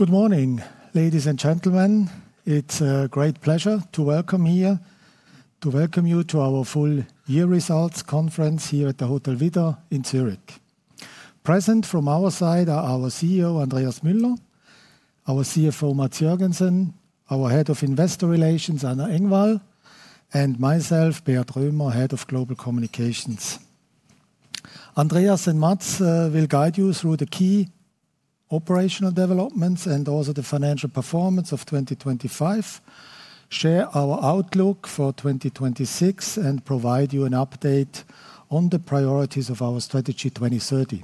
Good morning, ladies and gentlemen. It's a great pleasure to welcome here, to welcome you to our full year results conference here at the Widder Hotel in Zurich. Present from our side are our CEO, Andreas Müller, our CFO, Mads Jørgensen, our Head of Investor Relations, Anna Engvall, and myself, Beat Römer, Head of Global Communications. Andreas and Mads will guide you through the key operational developments and also the financial performance of 2025, share our outlook for 2026, and provide you an update on the priorities of our Strategy 2030.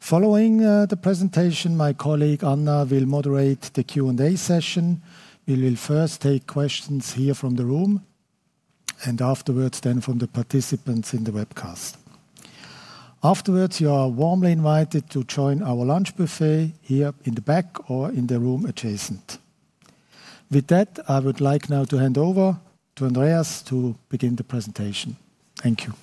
Following the presentation, my colleague Anna will moderate the Q&A session. We will first take questions here from the room, and afterwards, then from the participants in the webcast. Afterwards, you are warmly invited to join our lunch buffet here in the back or in the room adjacent. With that, I would like now to hand over to Andreas to begin the presentation. Thank you.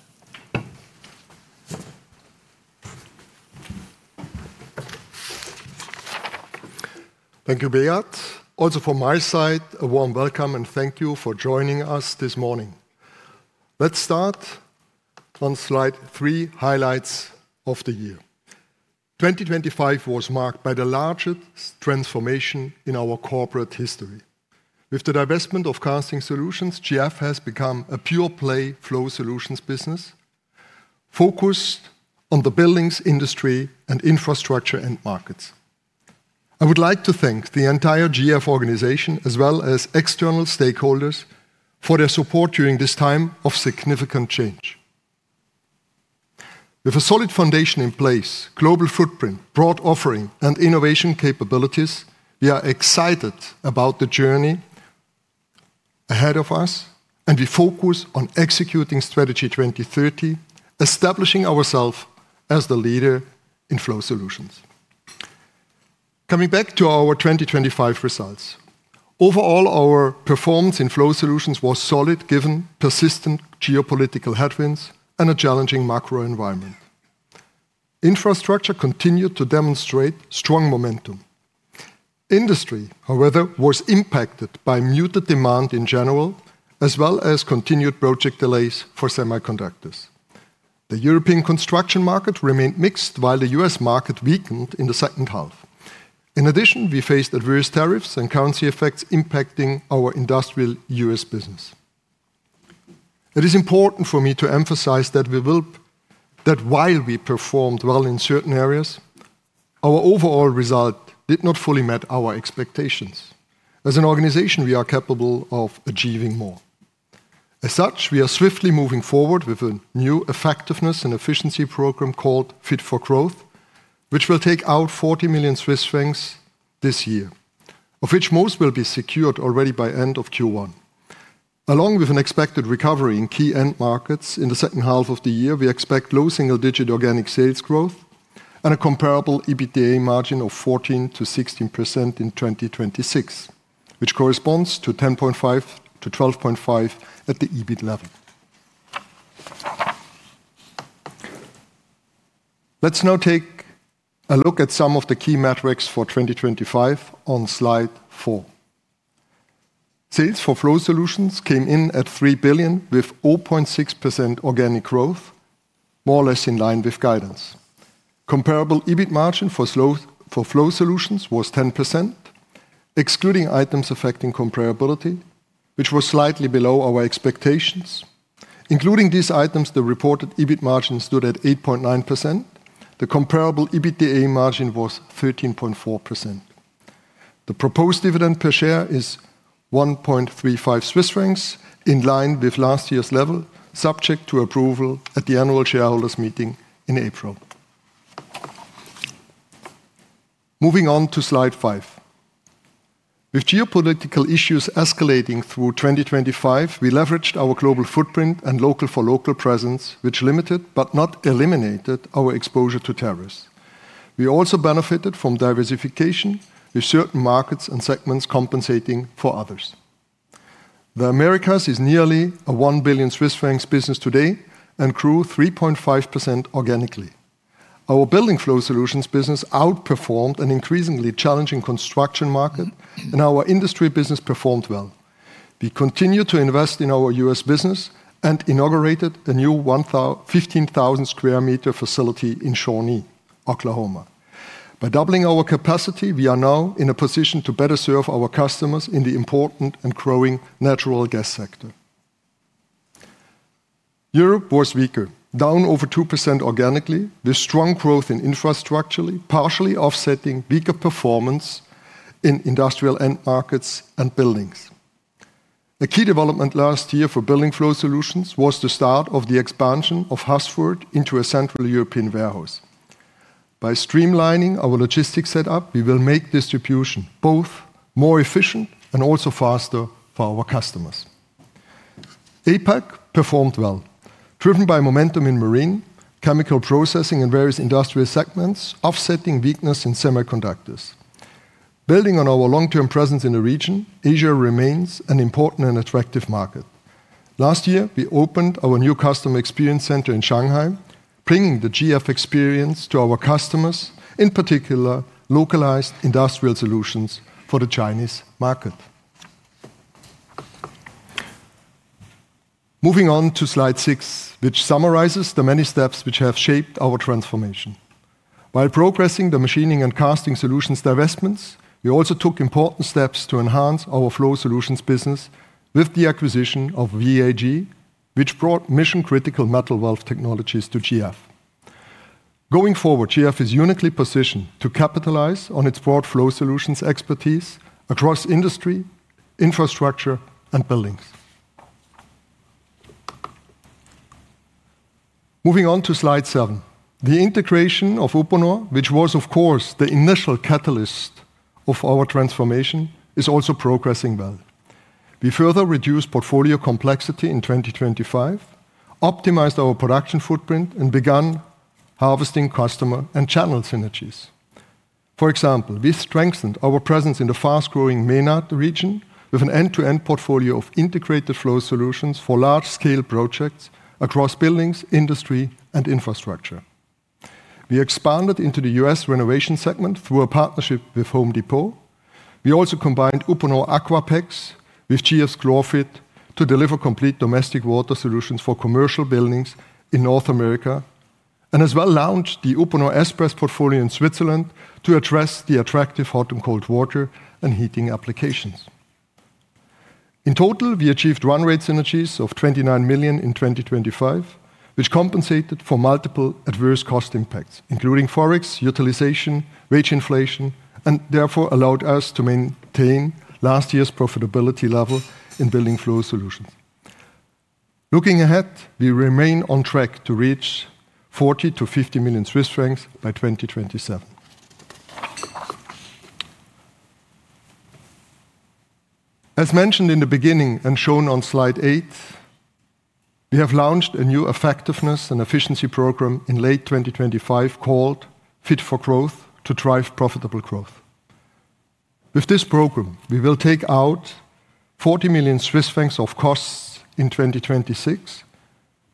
Thank you, Beat. From my side, a warm welcome and thank you for joining us this morning. Let's start on slide three, highlights of the year. 2025 was marked by the largest transformation in our corporate history. With the divestment of Casting Solutions, GF has become a pure-play Flow Solutions business, focused on the buildings, industry, and infrastructure end markets. I would like to thank the entire GF organization, as well as external stakeholders, for their support during this time of significant change. With a solid foundation in place, global footprint, broad offering, and innovation capabilities, we are excited about the journey ahead of us, and we focus on executing Strategy 2030, establishing ourself as the leader in flow solutions. Coming back to our 2025 results, overall, our performance in Flow Solutions was solid, given persistent geopolitical headwinds and a challenging macro environment. Infrastructure continued to demonstrate strong momentum. Industry, however, was impacted by muted demand in general, as well as continued project delays for semiconductors. The European construction market remained mixed, while the U.S. market weakened in the second half. In addition, we faced adverse tariffs and currency effects impacting our industrial U.S. business. It is important for me to emphasize that while we performed well in certain areas, our overall result did not fully meet our expectations. As an organization, we are capable of achieving more. As such, we are swiftly moving forward with a new effectiveness and efficiency program called Fit for Growth, which will take out 40 million Swiss francs this year, of which most will be secured already by end of Q1. Along with an expected recovery in key end markets in the second half of the year, we expect low single-digit organic sales growth and a comparable EBITDA margin of 14%-16% in 2026, which corresponds to 10.5%-12.5% at the EBIT level. Let's now take a look at some of the key metrics for 2025 on slide four. Sales for Flow Solutions came in at 3 billion, with 0.6% organic growth, more or less in line with guidance. Comparable EBIT margin for Flow Solutions was 10%, excluding items affecting comparability, which was slightly below our expectations. Including these items, the reported EBIT margin stood at 8.9%. The comparable EBITDA margin was 13.4%. The proposed dividend per share is 1.35 Swiss francs, in line with last year's level, subject to approval at the annual shareholders meeting in April. Moving on to slide five. With geopolitical issues escalating through 2025, we leveraged our global footprint and local-for-local presence, which limited, but not eliminated, our exposure to tariffs. We also benefited from diversification, with certain markets and segments compensating for others. The Americas is nearly a 1 billion Swiss francs business today and grew 3.5% organically. Our Building Flow Solutions business outperformed an increasingly challenging construction market, and our industry business performed well. We continued to invest in our U.S. business and inaugurated a new 15,000 sq m facility in Shawnee, Oklahoma. By doubling our capacity, we are now in a position to better serve our customers in the important and growing natural gas sector. Europe was weaker, down over 2% organically, with strong growth in infrastructure, partially offsetting weaker performance in industrial end markets and buildings. A key development last year for building flow solutions was the start of the expansion of Hassfurt into a central European warehouse. By streamlining our logistics setup, we will make distribution both more efficient and also faster for our customers. APAC performed well, driven by momentum in marine, chemical processing and various industrial segments, offsetting weakness in semiconductors. Building on our long-term presence in the region, Asia remains an important and attractive market. Last year, we opened our new customer experience center in Shanghai, bringing the GF experience to our customers, in particular, localized industrial solutions for the Chinese market. Moving on to slide six, which summarizes the many steps which have shaped our transformation. While progressing the machining and casting solutions divestments, we also took important steps to enhance our Flow Solutions business with the acquisition of VAG, which brought mission-critical metal valve technologies to GF. Going forward, GF is uniquely positioned to capitalize on its broad flow solutions expertise across industry, infrastructure, and buildings. Moving on to slide seven. The integration of Uponor, which was of course the initial catalyst of our transformation, is also progressing well. We further reduced portfolio complexity in 2025, optimized our production footprint, and begun harvesting customer and channel synergies. For example, we strengthened our presence in the fast-growing MENAT region with an end-to-end portfolio of integrated flow solutions for large-scale projects across buildings, industry, and infrastructure. We expanded into the U.S. renovation segment through a partnership with The Home Depot. We also combined Uponor AquaPEX with GF ChlorFIT to deliver complete domestic water solutions for commercial buildings in North America, and as well launched the Uponor Express portfolio in Switzerland to address the attractive hot and cold water and heating applications. In total, we achieved run rate synergies of 29 million in 2025, which compensated for multiple adverse cost impacts, including Forex, utilization, wage inflation, and therefore allowed us to maintain last year's profitability level in Building Flow Solutions. Looking ahead, we remain on track to reach 40 million-50 million Swiss francs by 2027. As mentioned in the beginning and shown on slide eight, we have launched a new effectiveness and efficiency program in late 2025, called Fit for Growth, to drive profitable growth. With this program, we will take out 40 million Swiss francs of costs in 2026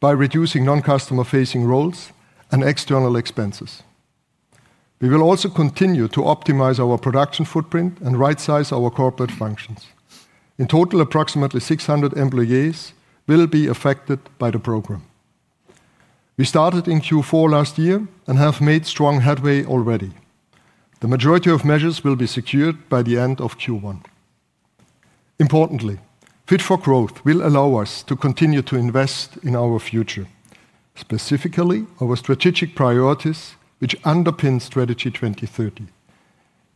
by reducing non-customer-facing roles and external expenses. We will also continue to optimize our production footprint and rightsize our corporate functions. In total, approximately 600 employees will be affected by the program. We started in Q4 last year and have made strong headway already. The majority of measures will be secured by the end of Q1. Importantly, Fit for Growth will allow us to continue to invest in our future, specifically our strategic priorities, which underpin Strategy 2030.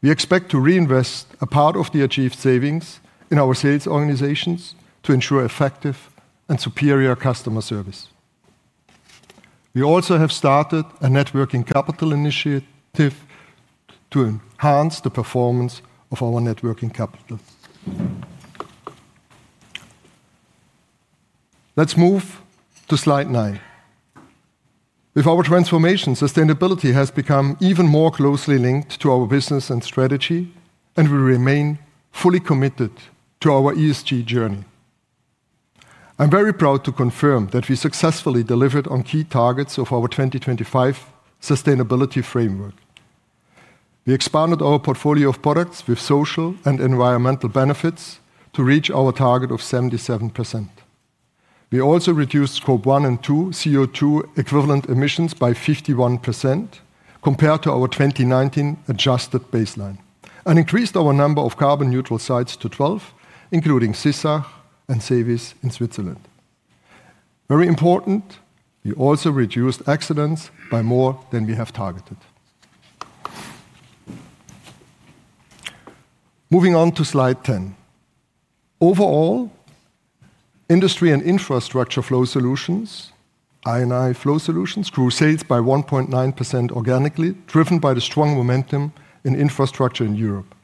We expect to reinvest a part of the achieved savings in our sales organizations to ensure effective and superior customer service. We also have started a net working capital initiative to enhance the performance of our net working capital. Let's move to slide nine. With our transformation, sustainability has become even more closely linked to our business and strategy, and we remain fully committed to our ESG journey. I'm very proud to confirm that we successfully delivered on key targets of our 2025 sustainability framework. We expanded our portfolio of products with social and environmental benefits to reach our target of 77%. We also reduced Scope 1 and 2 CO2 equivalent emissions by 51% compared to our 2019 adjusted baseline and increased our number of carbon neutral sites to 12, including Sissach and Seewis in Switzerland. Very important, we also reduced accidents by more than we have targeted. Moving on to Slide 10. Overall, Industry and Infrastructure Flow Solutions, I&I Flow Solutions, grew sales by 1.9% organically, driven by the strong momentum in infrastructure in Europe,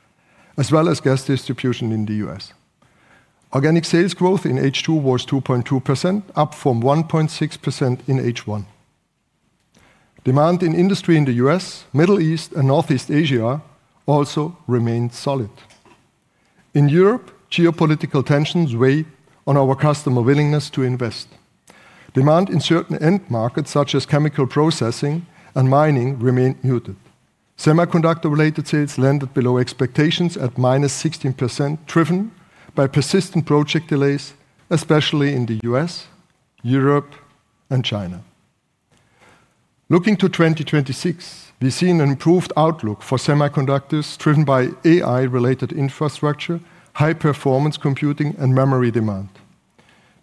as well as gas distribution in the U.S. Organic sales growth in H2 was 2.2%, up from 1.6% in H1. Demand in industry in the U.S., Middle East, and Northeast Asia also remained solid. In Europe, geopolitical tensions weigh on our customer willingness to invest. Demand in certain end markets, such as chemical processing and mining, remain muted. Semiconductor-related sales landed below expectations at -16%, driven by persistent project delays, especially in the U.S., Europe, and China. Looking to 2026, we see an improved outlook for semiconductors, driven by AI-related infrastructure, high-performance computing, and memory demand.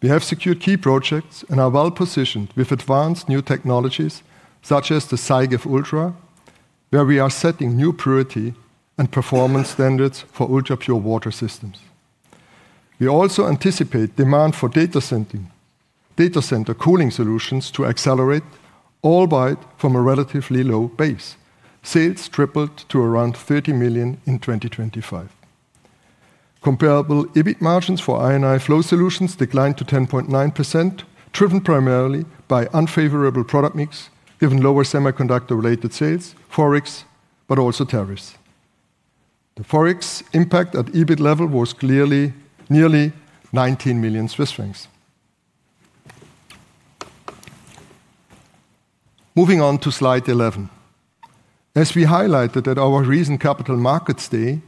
We have secured key projects and are well positioned with advanced new technologies such as the SYGEF Ultra, where we are setting new purity and performance standards for ultrapure water systems. We also anticipate demand for data center cooling solutions to accelerate, albeit from a relatively low base. Sales tripled to around 30 million in 2025. Comparable EBIT margins for I&I Flow Solutions declined to 10.9%, driven primarily by unfavorable product mix, given lower semiconductor-related sales, Forex, but also tariffs. The Forex impact at EBIT level was clearly nearly 19 million Swiss francs. Moving on to slide 11. As we highlighted at our recent Capital Markets Day,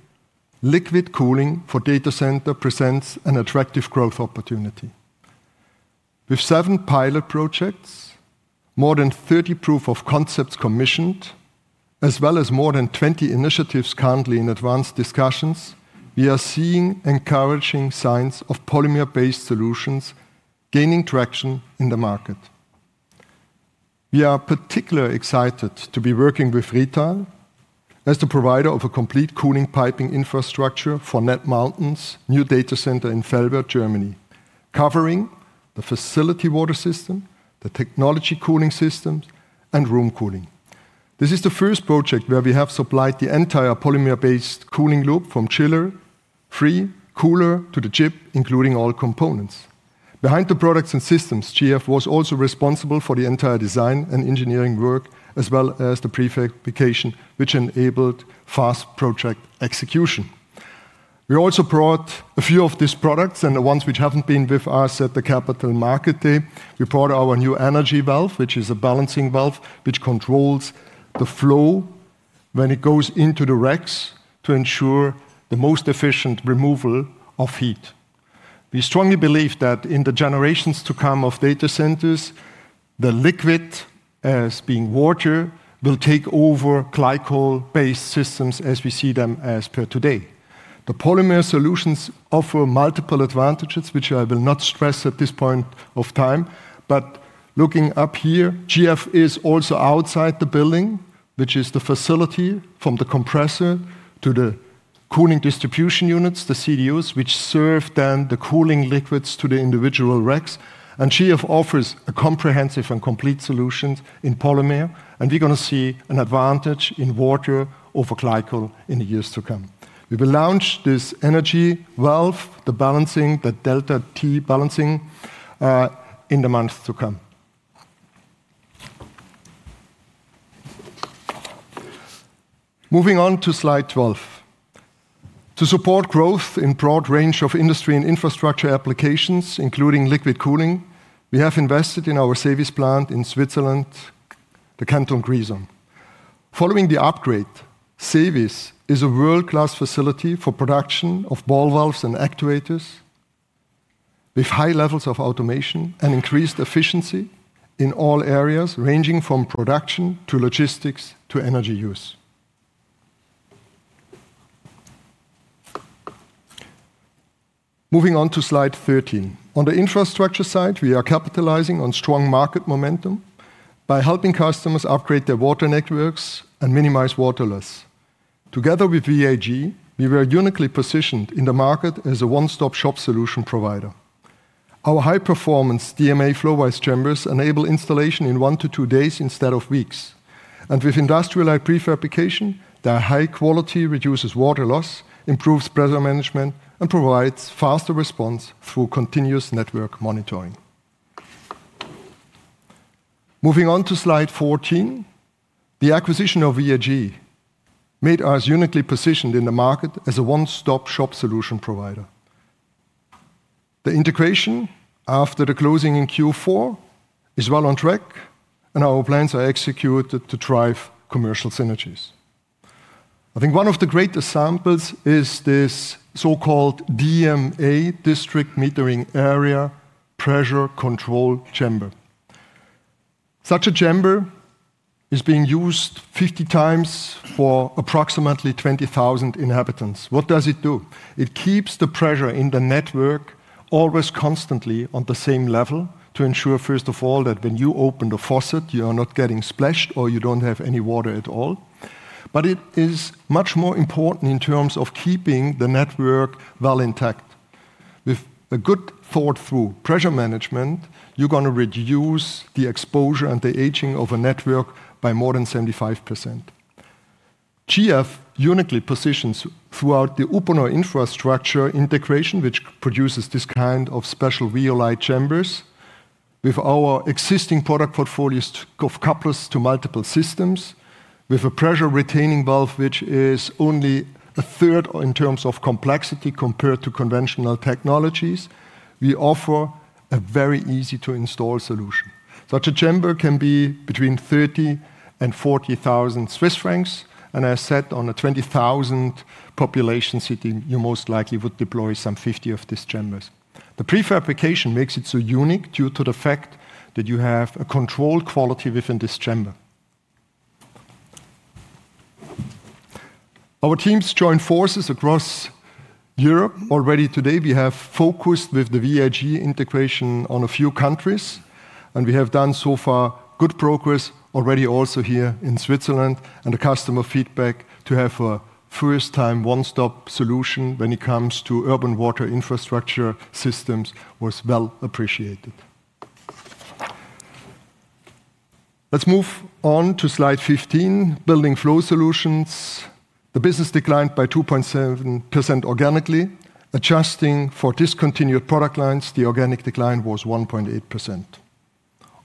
liquid cooling for data center presents an attractive growth opportunity. With seven pilot projects, more than 30 proof of concepts commissioned, as well as more than 20 initiatives currently in advanced discussions, we are seeing encouraging signs of polymer-based solutions gaining traction in the market. We are particularly excited to be working with Rittal as the provider of a complete cooling piping infrastructure for nLighten's new data center in Velbert, Germany, covering the facility water system, the technology cooling systems, and room cooling. This is the first project where we have supplied the entire polymer-based cooling loop from chiller, free cooler to the chip, including all components. Behind the products and systems, GF was also responsible for the entire design and engineering work, as well as the prefabrication, which enabled fast project execution. We also brought a few of these products and the ones which haven't been with us at the Capital Markets Day. We brought our new energy valve, which is a balancing valve, which controls the flow when it goes into the racks to ensure the most efficient removal of heat. We strongly believe that in the generations to come of data centers, the liquid, as being water, will take over glycol-based systems as we see them as per today. The polymer solutions offer multiple advantages, which I will not stress at this point of time, but looking up here, GF is also outside the building, which is the facility from the compressor to the cooling distribution units, the CDUs, which serve then the cooling liquids to the individual racks. GF offers a comprehensive and complete solutions in polymer, and we're gonna see an advantage in water over glycol in the years to come. We will launch this energy valve, the balancing, the delta T balancing, in the months to come. Moving on to slide 12. To support growth in broad range of industry and infrastructure applications, including liquid cooling, we have invested in our Seewis plant in Switzerland, the Canton of Grisons. Following the upgrade, Seewis is a world-class facility for production of ball valves and actuators with high levels of automation and increased efficiency in all areas, ranging from production to logistics to energy use. Moving on to slide 13. On the infrastructure side, we are capitalizing on strong market momentum by helping customers upgrade their water networks and minimize water loss. Together with VAG Group, we were uniquely positioned in the market as a one-stop shop solution provider. Our high-performance DMA Flowise chambers enable installation in one to two days instead of weeks. With industrial prefabrication, their high quality reduces water loss, improves pressure management, and provides faster response through continuous network monitoring. Moving on to slide 14. The acquisition of VAG Group made us uniquely positioned in the market as a one-stop shop solution provider. The integration after the closing in Q4 is well on track, and our plans are executed to drive commercial synergies. I think one of the greatest samples is this so-called DMA, district metering area, pressure control chamber. Such a chamber is being used 50 times for approximately 20,000 inhabitants. What does it do? It keeps the pressure in the network always constantly on the same level to ensure, first of all, that when you open the faucet, you are not getting splashed or you don't have any water at all. It is much more important in terms of keeping the network well intact. With a good thought-through pressure management, you're gonna reduce the exposure and the aging of a network by more than 75%. GF uniquely positions throughout the urban or infrastructure integration, which produces this kind of special real-life chambers. With our existing product portfolios of couplers to multiple systems, with a pressure-retaining valve, which is only a third in terms of complexity compared to conventional technologies, we offer a very easy-to-install solution. Such a chamber can be between 30,000 and 40,000 Swiss francs, as said, on a 20,000 population city, you most likely would deploy some 50 of these chambers. The prefabrication makes it so unique due to the fact that you have a controlled quality within this chamber. Our teams joined forces across Europe. Already today, we have focused with the VAG integration on a few countries. We have done so far good progress already also here in Switzerland. The customer feedback to have a first-time, one-stop solution when it comes to urban water infrastructure systems was well appreciated. Let's move on to slide 15, Building Flow Solutions. The business declined by 2.7% organically. Adjusting for discontinued product lines, the organic decline was 1.8%.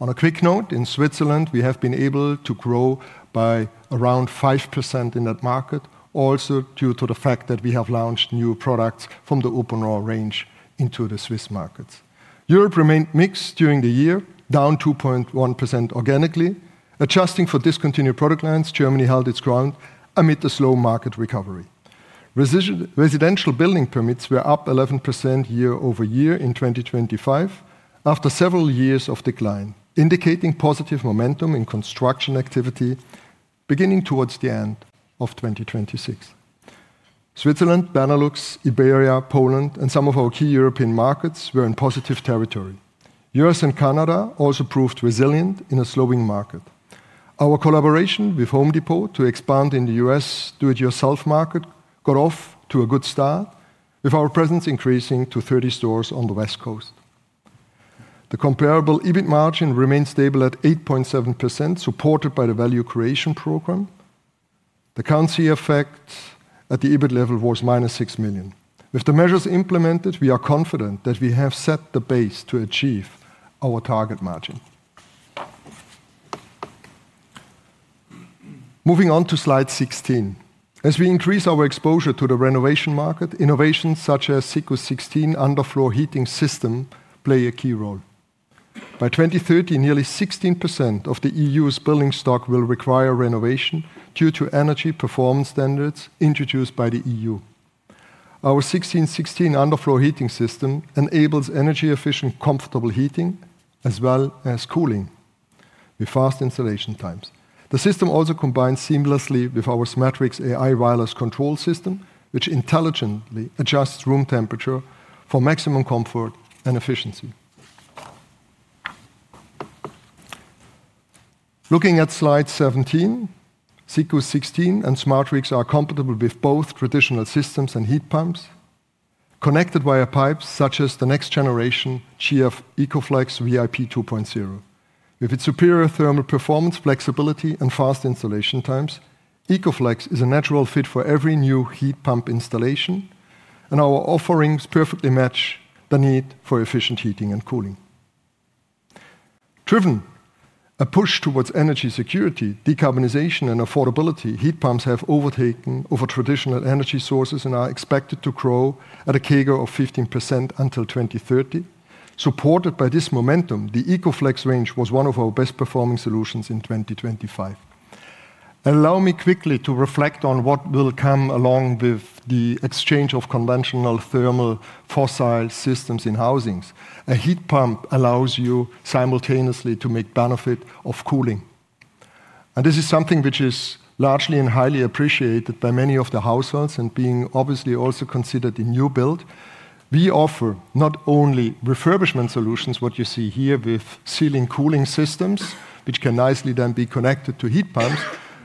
On a quick note, in Switzerland, we have been able to grow by around 5% in that market, also due to the fact that we have launched new products from the Uponor range into the Swiss markets. Europe remained mixed during the year, down 2.1% organically. Adjusting for discontinued product lines, Germany held its ground amid the slow market recovery. Residential building permits were up 11% year-over-year in 2025, after several years of decline, indicating positive momentum in construction activity beginning towards the end of 2026. Switzerland, Benelux, Iberia, Poland, and some of our key European markets were in positive territory. U.S. and Canada also proved resilient in a slowing market. Our collaboration with The Home Depot to expand in the U.S. do-it-yourself market got off to a good start, with our presence increasing to 30 stores on the West Coast. The comparable EBIT margin remained stable at 8.7%, supported by the value creation program. The currency effect at the EBIT level was -6 million. With the measures implemented, we are confident that we have set the base to achieve our target margin. Moving on to slide 16. As we increase our exposure to the renovation market, innovations such as Siccus 16 underfloor heating system play a key role. By 2030, nearly 16% of the E.U.’s building stock will require renovation due to energy performance standards introduced by the E.U. Our Siccus 16 underfloor heating system enables energy-efficient, comfortable heating as well as cooling, with fast installation times. The system also combines seamlessly with our Smatrix AI wireless control system, which intelligently adjusts room temperature for maximum comfort and efficiency. Looking at slide 17, Siccus 16 and Smatrix are compatible with both traditional systems and heat pumps, connected via pipes such as the next generation GF Ecoflex VIP 2.0. With its superior thermal performance, flexibility, and fast installation times, Ecoflex is a natural fit for every new heat pump installation. Our offerings perfectly match the need for efficient heating and cooling. Driven a push towards energy security, decarbonization, and affordability, heat pumps have overtaken over traditional energy sources and are expected to grow at a CAGR of 15% until 2030. Supported by this momentum, the Ecoflex range was one of our best-performing solutions in 2025. Allow me quickly to reflect on what will come along with the exchange of conventional thermal fossil systems in housings. A heat pump allows you simultaneously to make benefit of cooling, and this is something which is largely and highly appreciated by many of the households and being obviously also considered in new build. We offer not only refurbishment solutions, what you see here with ceiling cooling systems, which can nicely then be connected to heat pumps.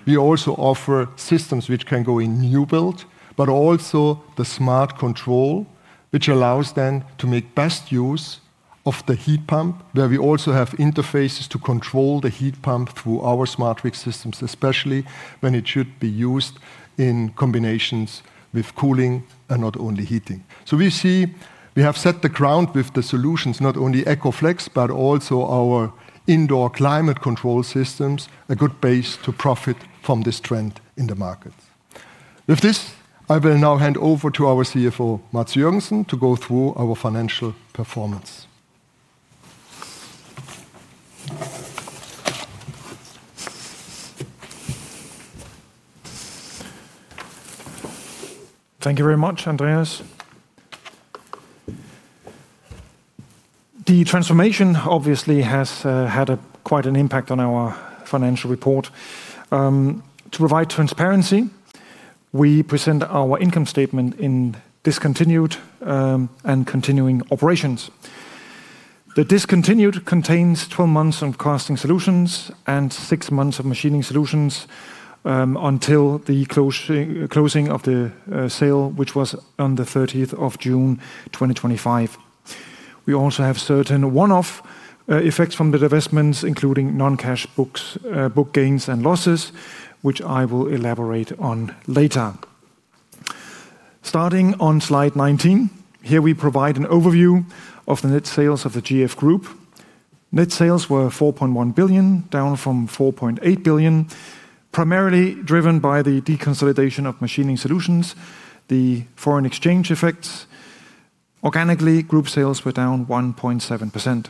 We also offer systems which can go in new build, but also the smart control, which allows then to make best use of the heat pump, where we also have interfaces to control the heat pump through our Smatrix systems, especially when it should be used in combinations with cooling and not only heating. We see we have set the ground with the solutions, not only Ecoflex, but also our indoor climate control systems, a good base to profit from this trend in the market. With this, I will now hand over to our CFO, Mads Jørgensen, to go through our financial performance. Thank you very much, Andreas. The transformation obviously has had a quite an impact on our financial report. To provide transparency, we present our income statement in discontinued and continuing operations. The discontinued contains 12 months of Casting Solutions and six months of Machining Solutions until the closing of the sale, which was on the 30th of June, 2025. We also have certain one-off effects from the divestments, including non-cash books, book gains and losses, which I will elaborate on later. Starting on slide 19, here we provide an overview of the net sales of the GF Group. Net sales were 4.1 billion, down from 4.8 billion, primarily driven by the deconsolidation of Machining Solutions, the foreign exchange effects. Organically, group sales were down 1.7%.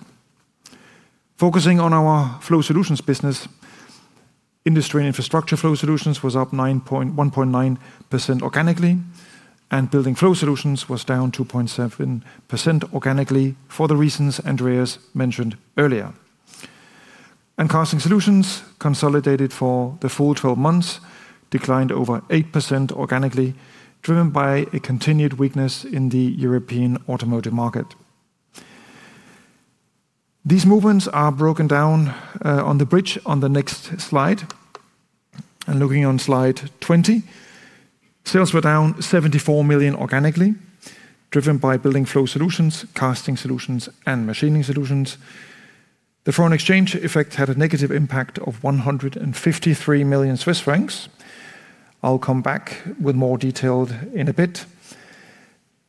Focusing on our Flow Solutions business, Industry and Infrastructure Flow Solutions was up 1.9% organically, Building Flow Solutions was down 2.7% organically for the reasons Andreas mentioned earlier. Casting Solutions, consolidated for the full 12 months, declined over 8% organically, driven by a continued weakness in the European automotive market. These movements are broken down on the bridge on the next slide. Looking on slide 20, sales were down 74 million organically, driven by Building Flow Solutions, Casting Solutions, and Machining Solutions. The foreign exchange effect had a negative impact of 153 million Swiss francs. I'll come back with more detail in a bit.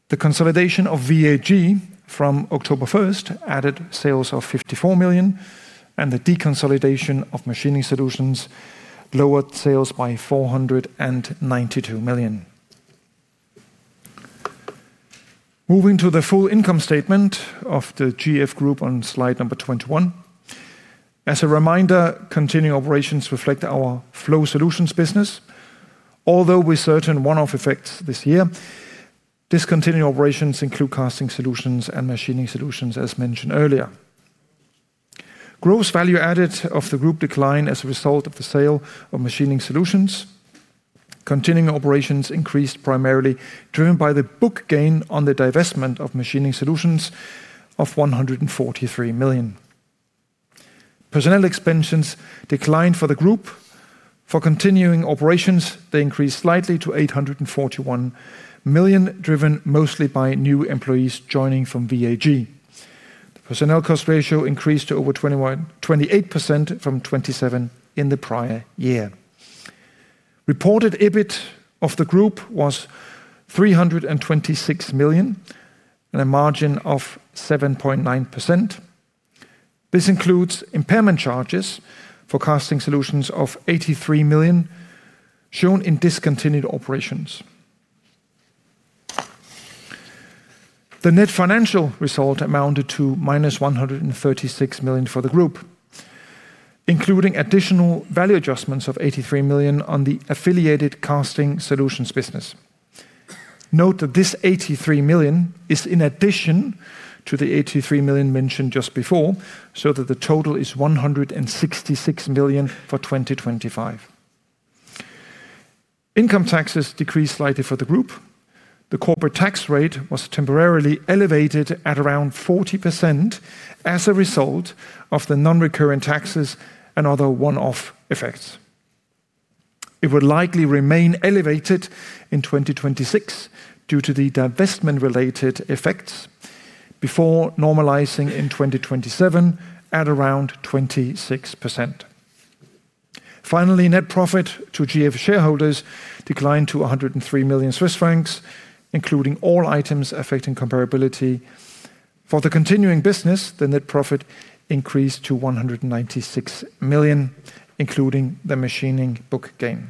The consolidation of VAG from October 1st added sales of 54 million, and the deconsolidation of Machining Solutions lowered sales by 492 million. Moving to the full income statement of the GF Group on slide number 21. As a reminder, continuing operations reflect our Flow Solutions business, although with certain one-off effects this year. Discontinued operations include Casting Solutions and Machining Solutions, as mentioned earlier. Gross value added of the group declined as a result of the sale of Machining Solutions. Continuing operations increased, primarily driven by the book gain on the divestment of Machining Solutions of 143 million. Personnel expansions declined for the group. For continuing operations, they increased slightly to 841 million, driven mostly by new employees joining from VAG. The personnel cost ratio increased to over 28% from 27% in the prior year. Reported EBIT of the Group was 326 million and a margin of 7.9%. This includes impairment charges for GF Casting Solutions of 83 million, shown in discontinued operations. The net financial result amounted to -136 million for the group, including additional value adjustments of 83 million on the affiliated GF Casting Solutions business. Note that this 83 million is in addition to the 83 million mentioned just before, so that the total is 166 million for 2025. Income taxes decreased slightly for the group. The corporate tax rate was temporarily elevated at around 40% as a result of the non-recurrent taxes and other one-off effects. It will likely remain elevated in 2026 due to the divestment-related effects before normalizing in 2027 at around 26%. Net profit to GF shareholders declined to 103 million Swiss francs, including all items affecting comparability. For the continuing business, the net profit increased to 196 million, including the machining book gain.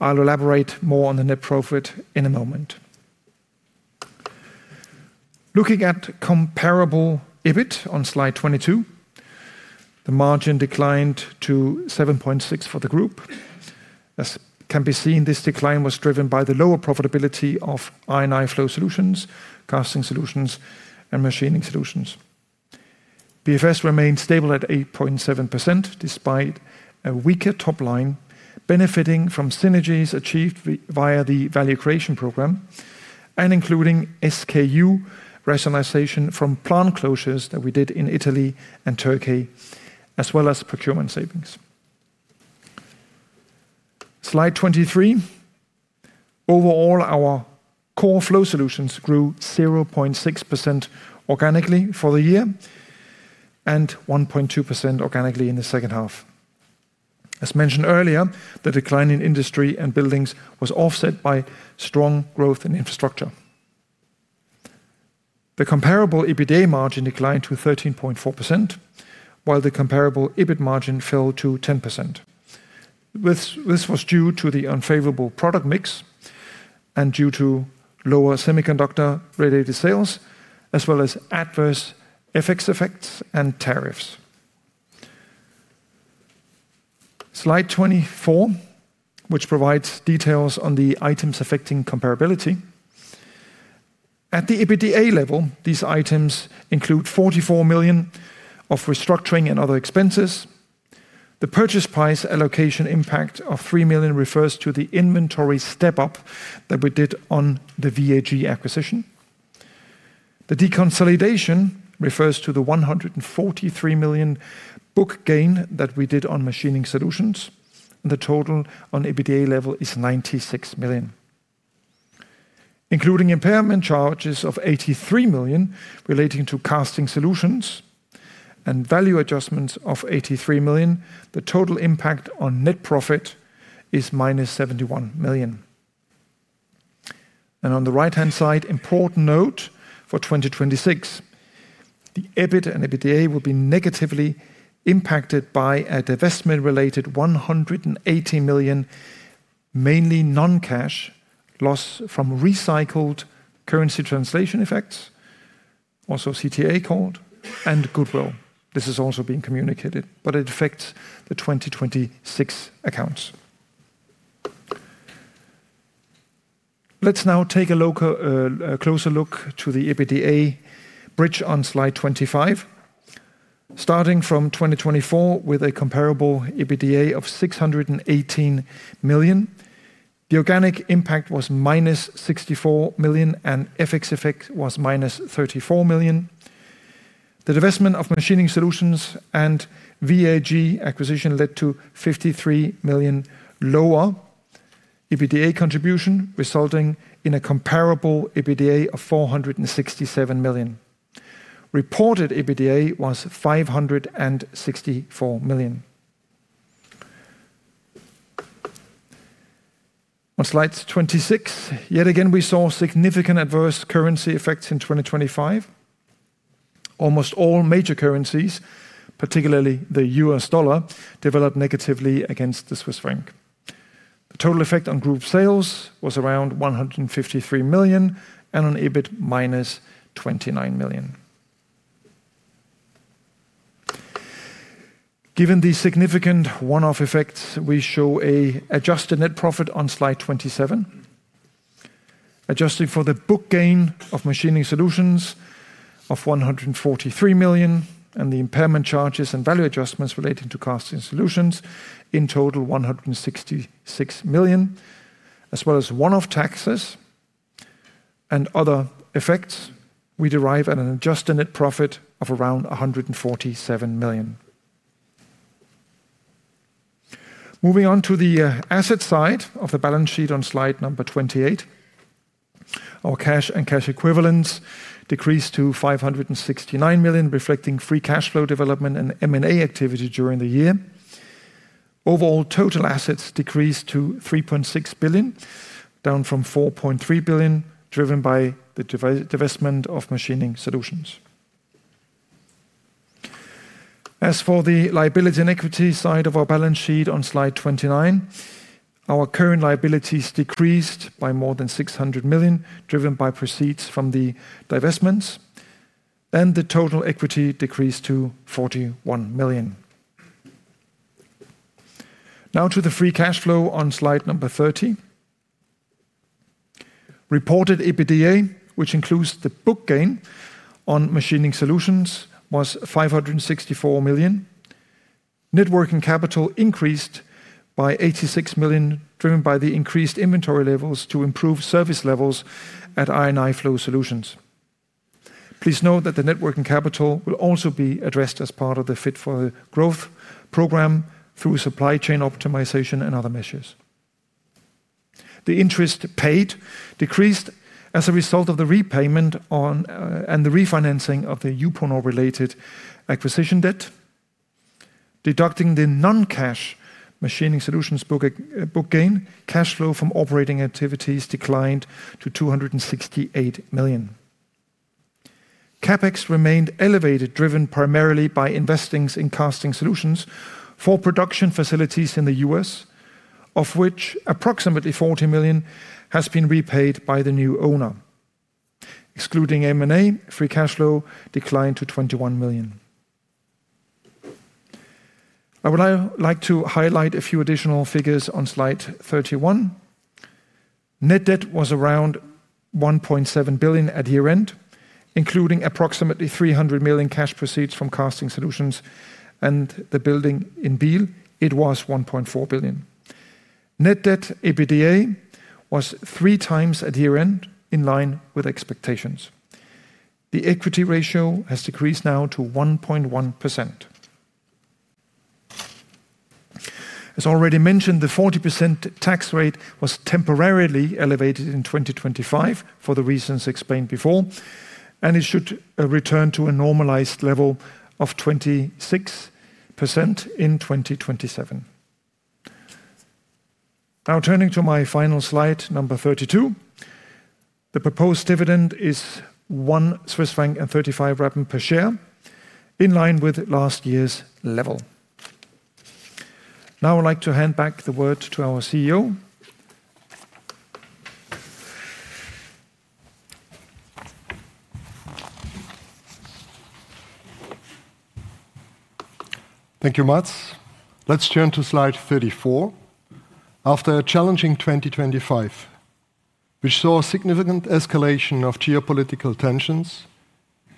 I'll elaborate more on the net profit in a moment. Looking at comparable EBIT on slide 22, the margin declined to 7.6% for the group. As can be seen, this decline was driven by the lower profitability of I&I Flow Solutions, Casting Solutions, and Machining Solutions. BFS remained stable at 8.7%, despite a weaker top line, benefiting from synergies achieved via the value creation program and including SKU rationalization from plant closures that we did in Italy and Turkey, as well as procurement savings. Slide 23. Overall, our core Flow Solutions grew 0.6% organically for the year and 1.2% organically in the second half. As mentioned earlier, the decline in industry and buildings was offset by strong growth in infrastructure. The comparable EBITDA margin declined to 13.4%, while the comparable EBIT margin fell to 10%. This was due to the unfavorable product mix and due to lower semiconductor-related sales, as well as adverse FX effects and tariffs. Slide 24, which provides details on the items affecting comparability. At the EBITDA level, these items include 44 million of restructuring and other expenses. The purchase price allocation impact of 3 million refers to the inventory step-up that we did on the VAG acquisition. The deconsolidation refers to the 143 million book gain that we did on Machining Solutions, and the total on EBITDA level is 96 million. Including impairment charges of 83 million relating to Casting Solutions and value adjustments of 83 million, the total impact on net profit is -71 million. On the right-hand side, important note for 2026, the EBIT and EBITDA will be negatively impacted by a divestment-related 180 million, mainly non-cash, loss from recycled currency translation effects, also CTA called, and goodwill. This is also being communicated, but it affects the 2026 accounts. Let's now take a closer look to the EBITDA bridge on slide 25. Starting from 2024, with a comparable EBITDA of 618 million, the organic impact was -64 million. FX effect was -34 million. The divestment of Machining Solutions and VAG Group acquisition led to 53 million lower EBITDA contribution, resulting in a comparable EBITDA of 467 million. Reported EBITDA was 564 million. On slide 26, yet again, we saw significant adverse currency effects in 2025. Almost all major currencies, particularly the U.S. dollar, developed negatively against the Swiss franc. The total effect on group sales was around 153 million, and on EBIT, -29 million. Given the significant one-off effects, we show an adjusted net profit on slide 27. Adjusting for the book gain of Machining Solutions of 143 million, and the impairment charges and value adjustments relating to Casting Solutions, in total 166 million, as well as one-off taxes and other effects, we derive an adjusted net profit of around 147 million. Moving on to the asset side of the balance sheet on slide number 28. Our cash and cash equivalents decreased to 569 million, reflecting free cash flow development and M&A activity during the year. Overall, total assets decreased to 3.6 billion, down from 4.3 billion, driven by the divestment of Machining Solutions. As for the liability and equity side of our balance sheet on slide 29, our current liabilities decreased by more than 600 million, driven by proceeds from the divestments, and the total equity decreased to 41 million. Now to the free cash flow on slide number 30. Reported EBITDA, which includes the book gain on Machining Solutions, was 564 million. Net working capital increased by 86 million, driven by the increased inventory levels to improve service levels at I&I Flow Solutions. Please note that the net working capital will also be addressed as part of the Fit for Growth program through supply chain optimization and other measures. The interest paid decreased as a result of the repayment on and the refinancing of the Uponor-related acquisition debt. Deducting the non-cash Machining Solutions book gain, cash flow from operating activities declined to 268 million. CapEx remained elevated, driven primarily by investings in Casting Solutions for production facilities in the U.S., of which approximately 40 million has been repaid by the new owner. Excluding M&A, free cash flow declined to 21 million. I would like to highlight a few additional figures on slide 31. Net debt was around 1.7 billion at year-end, including approximately 300 million cash proceeds from Casting Solutions and the building in Biel, it was 1.4 billion. Net debt EBITDA was 3x at year-end, in line with expectations. The equity ratio has decreased now to 1.1%. As already mentioned, the 40% tax rate was temporarily elevated in 2025, for the reasons explained before, and it should return to a normalized level of 26% in 2027. Turning to my final slide, number 32. The proposed dividend is 1.35 Swiss franc per share, in line with last year's level. I would like to hand back the word to our CEO. Thank you, Mads. Let's turn to slide 34. After a challenging 2025, which saw a significant escalation of geopolitical tensions,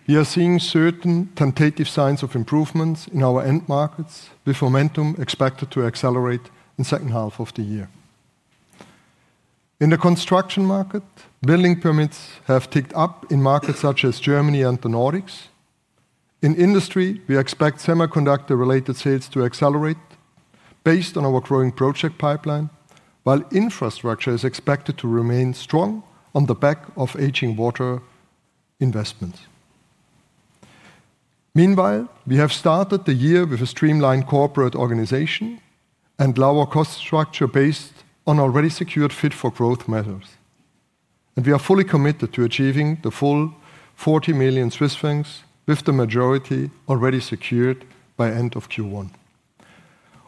we are seeing certain tentative signs of improvements in our end markets, with momentum expected to accelerate in second half of the year. In the construction market, building permits have ticked up in markets such as Germany and the Nordics. In industry, we expect semiconductor-related sales to accelerate based on our growing project pipeline, while infrastructure is expected to remain strong on the back of aging water investments. Meanwhile, we have started the year with a streamlined corporate organization and lower cost structure based on already secured Fit for Growth measures, and we are fully committed to achieving the full 40 million Swiss francs, with the majority already secured by end of Q1.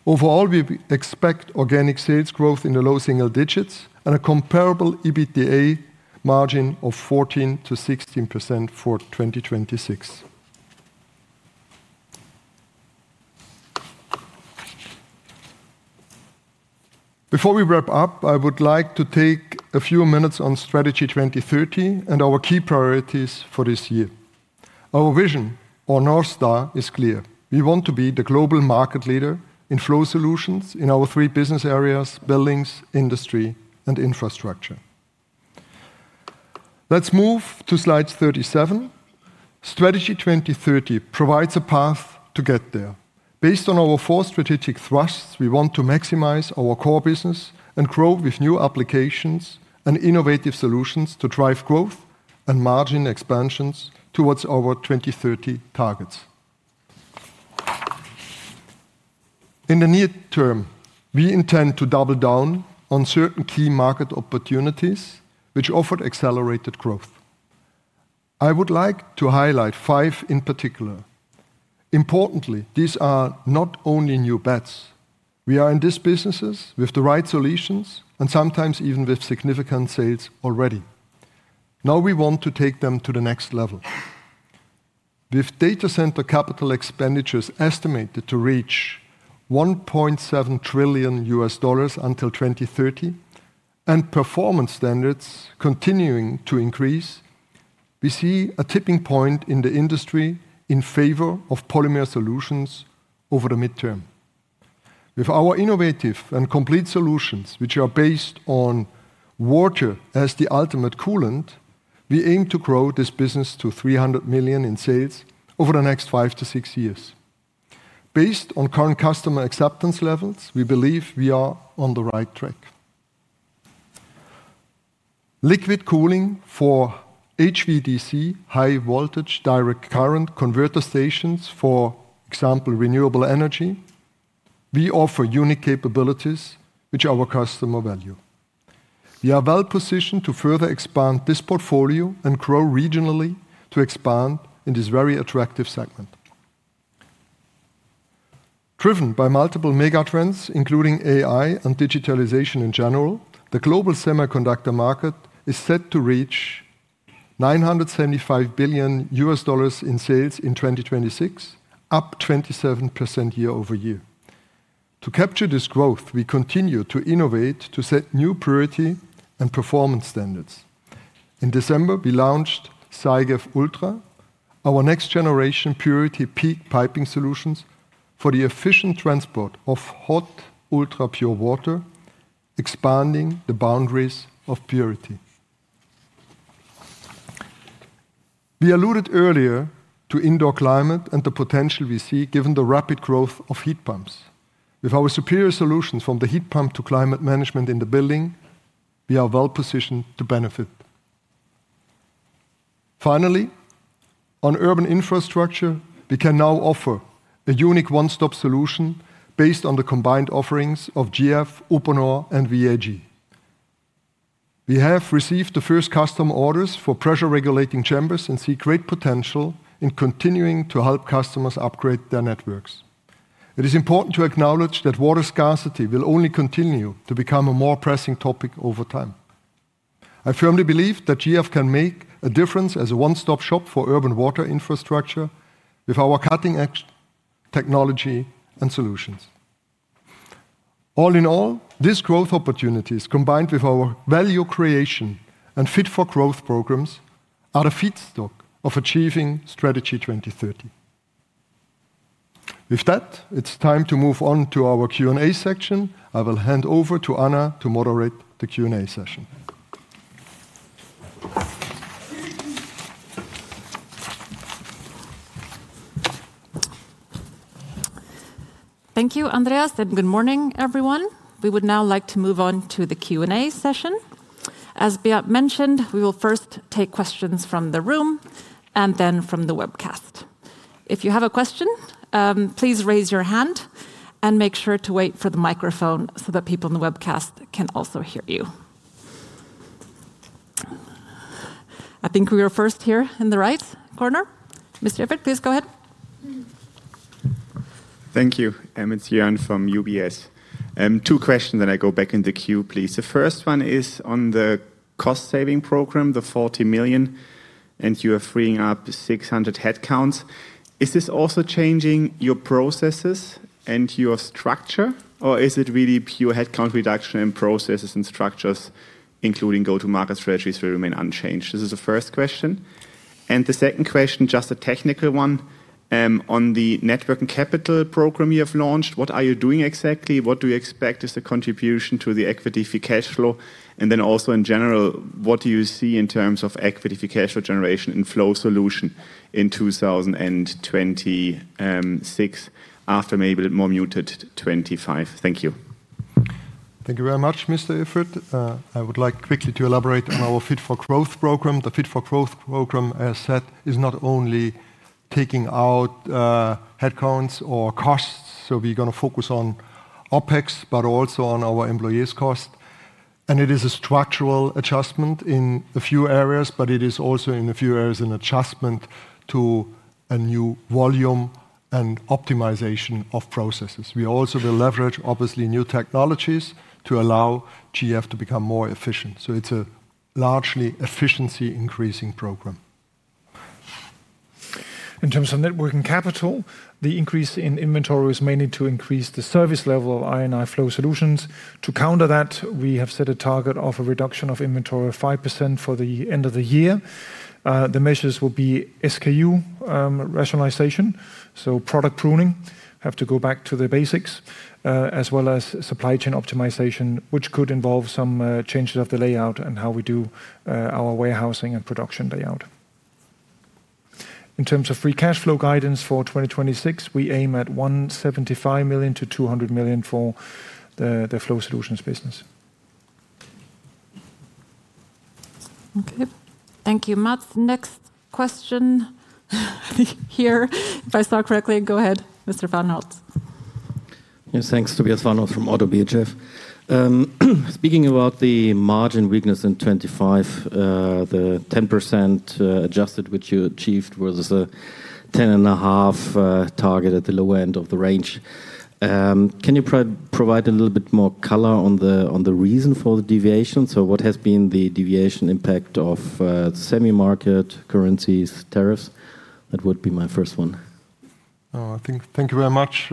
Overall, we expect organic sales growth in the low single digits and a comparable EBITDA margin of 14%-16% for 2026. Before we wrap up, I would like to take a few minutes on Strategy 2030 and our key priorities for this year. Our vision, or North Star, is clear: We want to be the global market leader in flow solutions in our three business areas, buildings, industry, and infrastructure. Let's move to slide 37. Strategy 2030 provides a path to get there. Based on our four strategic thrusts, we want to maximize our core business and grow with new applications and innovative solutions to drive growth and margin expansions towards our 2030 targets. In the near term, we intend to double down on certain key market opportunities which offer accelerated growth. I would like to highlight five in particular. Importantly, these are not only new bets. We are in these businesses with the right solutions, and sometimes even with significant sales already. Now we want to take them to the next level. With data center capital expenditures estimated to reach $1.7 trillion until 2030, and performance standards continuing to increase, we see a tipping point in the industry in favor of polymer solutions over the midterm. With our innovative and complete solutions, which are based on water as the ultimate coolant, we aim to grow this business to $300 million in sales over the next five to six years. Based on current customer acceptance levels, we believe we are on the right track. Liquid cooling for HVDC, high voltage direct current converter stations, for example, renewable energy, we offer unique capabilities which our customer value. We are well positioned to further expand this portfolio and grow regionally to expand in this very attractive segment. Driven by multiple mega trends, including AI and digitalization in general, the global semiconductor market is set to reach $975 billion in sales in 2026, up 27% year-over-year. To capture this growth, we continue to innovate to set new purity and performance standards. In December, we launched SYGEF Ultra, our next-generation purity peak piping solutions for the efficient transport of hot, ultra-pure water, expanding the boundaries of purity. We alluded earlier to indoor climate and the potential we see given the rapid growth of heat pumps. With our superior solutions from the heat pump to climate management in the building, we are well positioned to benefit. Finally, on urban infrastructure, we can now offer a unique one-stop solution based on the combined offerings of GF, Uponor, and VAG. We have received the first custom orders for pressure-regulating chambers and see great potential in continuing to help customers upgrade their networks. It is important to acknowledge that water scarcity will only continue to become a more pressing topic over time. I firmly believe that GF can make a difference as a one-stop shop for urban water infrastructure with our cutting-edge technology and solutions. All in all, these growth opportunities, combined with our value creation and Fit for Growth programs, are a feedstock of achieving Strategy 2030. With that, it's time to move on to our Q&A section. I will hand over to Anna to moderate the Q&A session. Thank you, Andreas, and good morning, everyone. We would now like to move on to the Q&A session. As Beat mentioned, we will first take questions from the room and then from the webcast. If you have a question, please raise your hand and make sure to wait for the microphone so that people in the webcast can also hear you. I think we are first here in the right corner. Mr. Iffert, please go ahead. Thank you. It's Joern from UBS. Two questions, then I go back in the queue, please. The first one is on the cost-saving program, the 40 million, and you are freeing up 600 headcounts. Is this also changing your processes and your structure, or is it really pure headcount reduction in processes and structures, including go-to-market strategies will remain unchanged? This is the first question. The second question, just a technical one, on the net working capital program you have launched, what are you doing exactly? What do you expect is the contribution to the equity free cash flow? Then also in general, what do you see in terms of equity free cash flow generation in Flow Solutions in 2026, after maybe the more muted 2025? Thank you. Thank you very much, Mr. Iffert. I would like quickly to elaborate on our Fit for Growth program. The Fit for Growth program, as said, is not only taking out headcounts or costs. We're gonna focus on OpEx, but also on our employees' cost. It is a structural adjustment in a few areas, but it is also in a few areas, an adjustment to a new volume and optimization of processes. We also will leverage, obviously, new technologies to allow GF to become more efficient. It's a largely efficiency-increasing program. In terms of net working capital, the increase in inventory was mainly to increase the service level of I&I Flow Solutions. To counter that, we have set a target of a reduction of inventory of 5% for the end of the year. The measures will be SKU rationalization, so product pruning, have to go back to the basics, as well as supply chain optimization, which could involve some changes of the layout and how we do our warehousing and production layout. In terms of free cash flow guidance for 2026, we aim at 175 million-200 million for the Flow Solutions business. Okay, thank you, Mads. Next question here, if I saw correctly. Go ahead, Mr. van Holst. Yes, thanks. Tobias van Holst from Bankhaus Lampe. Speaking about the margin weakness in 2025, the 10% adjusted which you achieved was a 10.5% target at the low end of the range. Can you provide a little bit more color on the reason for the deviation? What has been the deviation impact of semi market, currencies, tariffs? That would be my first one. I think. Thank you very much.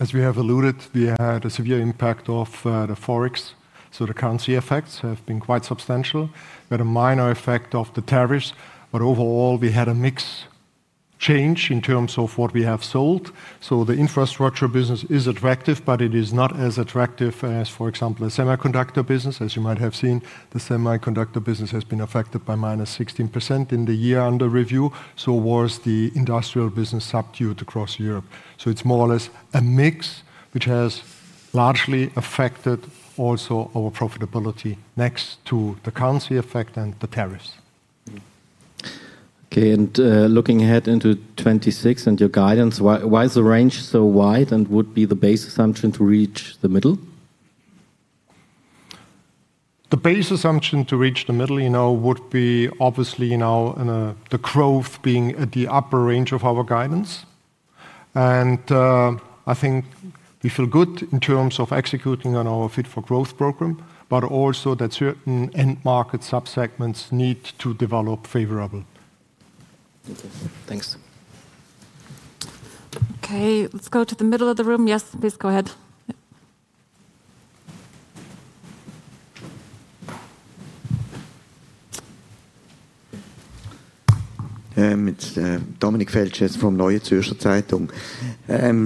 As we have alluded, we had a severe impact of the Forex, so the currency effects have been quite substantial. We had a minor effect of the tariffs, but overall, we had a mix change in terms of what we have sold. The infrastructure business is attractive, but it is not as attractive as, for example, the semiconductor business. As you might have seen, the semiconductor business has been affected by -16% in the year under review, so was the industrial business subdued across Europe. It's more or less a mix, which has largely affected also our profitability, next to the currency effect and the tariffs. Okay, looking ahead into 2026 and your guidance, why is the range so wide, and would be the base assumption to reach the middle? The base assumption to reach the middle, you know, would be obviously, you know, the growth being at the upper range of our guidance. I think we feel good in terms of executing on our Fit for Growth program, but also that certain end market subsegments need to develop favorable. Thank you. Thanks. Okay, let's go to the middle of the room. Yes, please, go ahead. Yep. It's Dominik Feldges from Neue Zürcher Zeitung.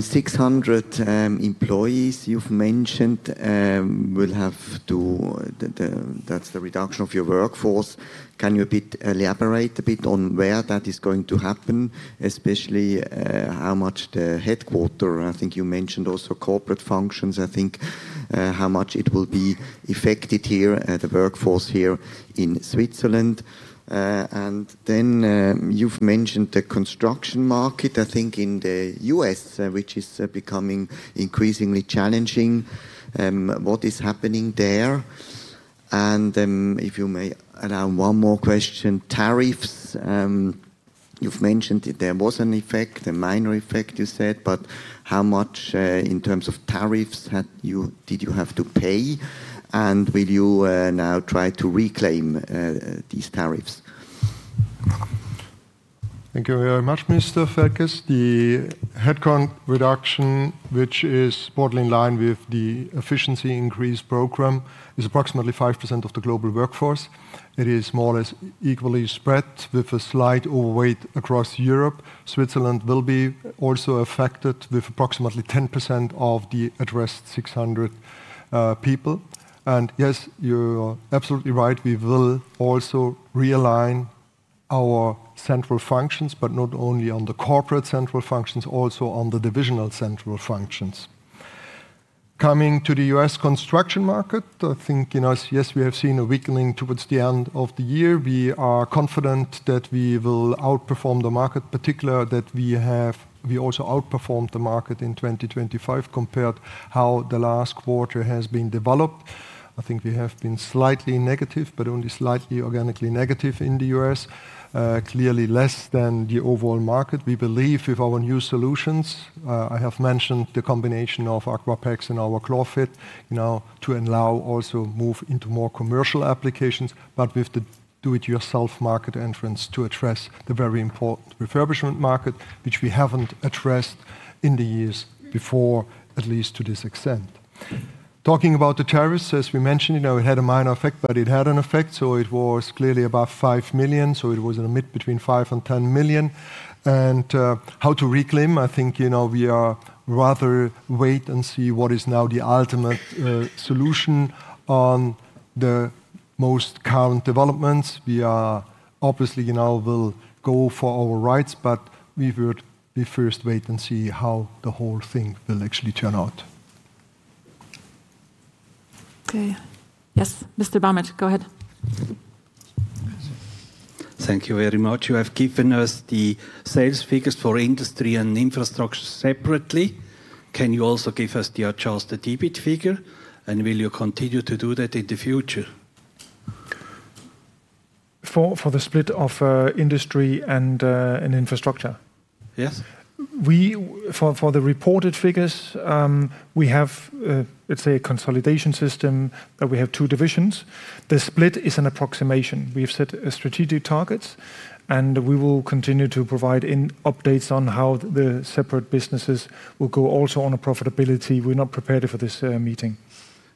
600 employees you've mentioned, that's the reduction of your workforce. Can you elaborate a bit on where that is going to happen? Especially, how much the headquarter, I think you mentioned also corporate functions, I think, how much it will be affected here, the workforce here in Switzerland. Then, you've mentioned the construction market, I think, in the U.S., which is becoming increasingly challenging. What is happening there? If you may allow one more question. Tariffs, you've mentioned that there was an effect, a minor effect, you said, but how much in terms of tariffs did you have to pay? Will you now try to reclaim these tariffs? Thank you very much, Mr. Feldges. The headcount reduction, which is broadly in line with the efficiency increase program, is approximately 5% of the global workforce. It is more or less equally spread, with a slight overweight across Europe. Switzerland will be also affected, with approximately 10% of the addressed 600 people. Yes, you're absolutely right. We will also realign our central functions, but not only on the corporate central functions, also on the divisional central functions. Coming to the U.S. construction market, I think, you know, yes, we have seen a weakening towards the end of the year. We are confident that we will outperform the market, particular that we also outperformed the market in 2025 compared how the last quarter has been developed. I think we have been slightly negative, but only slightly organically negative in the U.S. Clearly less than the overall market. We believe with our new solutions, I have mentioned the combination of AquaPEX and our ChlorFIT, you know, to allow also move into more commercial applications, but with the do-it-yourself market entrance to address the very important refurbishment market, which we haven't addressed in the years before, at least to this extent. Talking about the tariffs, as we mentioned, you know, it had a minor effect, but it had an effect, so it was clearly above 5 million. So it was in the mid between 5 million and 10 million. How to reclaim? I think, you know, we are rather wait and see what is now the ultimate solution on the most current developments. We are obviously, you know, will go for our rights, but we would be first wait and see how the whole thing will actually turn out. Okay. Yes, Mr. Bamert, go ahead. Thank you very much. You have given us the sales figures for Industry and Infrastructure separately. Can you also give us the adjusted EBIT figure, and will you continue to do that in the future? For the split of Industry and Infrastructure? Yes. For the reported figures, we have, let's say, a consolidation system that we have two divisions. The split is an approximation. We've set strategic targets. We will continue to provide updates on how the separate businesses will go also on a profitability. We're not prepared for this meeting.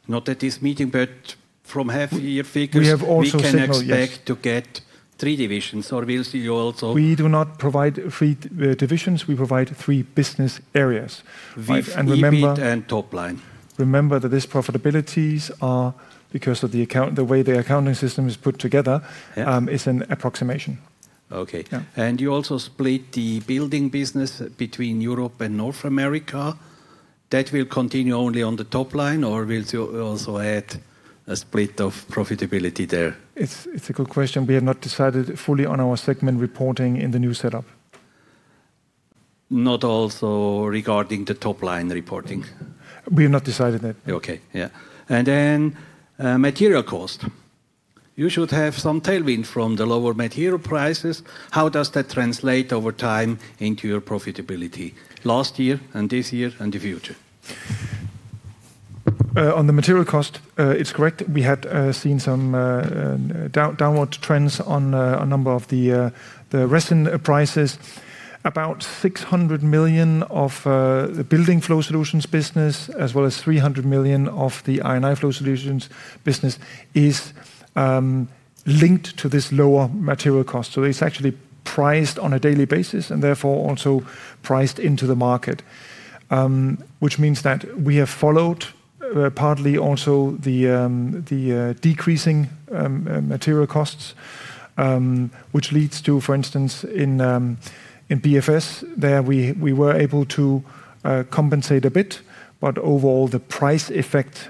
Not at this meeting, but from half year figures. We have also said. We can expect to get three divisions, or will you also. We do not provide three divisions. We provide three business areas. EBIT and top line. Remember that these profitabilities are because of the account, the way the accounting system is put together. Yeah It’s an approximation. Okay. Yeah. You also split the Building business between Europe and North America? That will continue only on the top line, or will you also add a split of profitability there? It's a good question. We have not decided fully on our segment reporting in the new setup. Not also regarding the top-line reporting? We have not decided that. Okay. Yeah. Material cost. You should have some tailwind from the lower material prices. How does that translate over time into your profitability, last year and this year and the future? Material cost, uh, it's correct. We had seen some downward trends on a number of the resin prices. About 600 million of the Building Flow Solutions business, as well as 300 million of the I&I Flow Solutions business, is linked to this lower material cost. So it's actually priced on a daily basis and therefore also priced into the market, which means that we have followed partly also the decreasing material costs, which leads to, for instance, in BFS, there we were able to compensate a bit. But overall, the price effect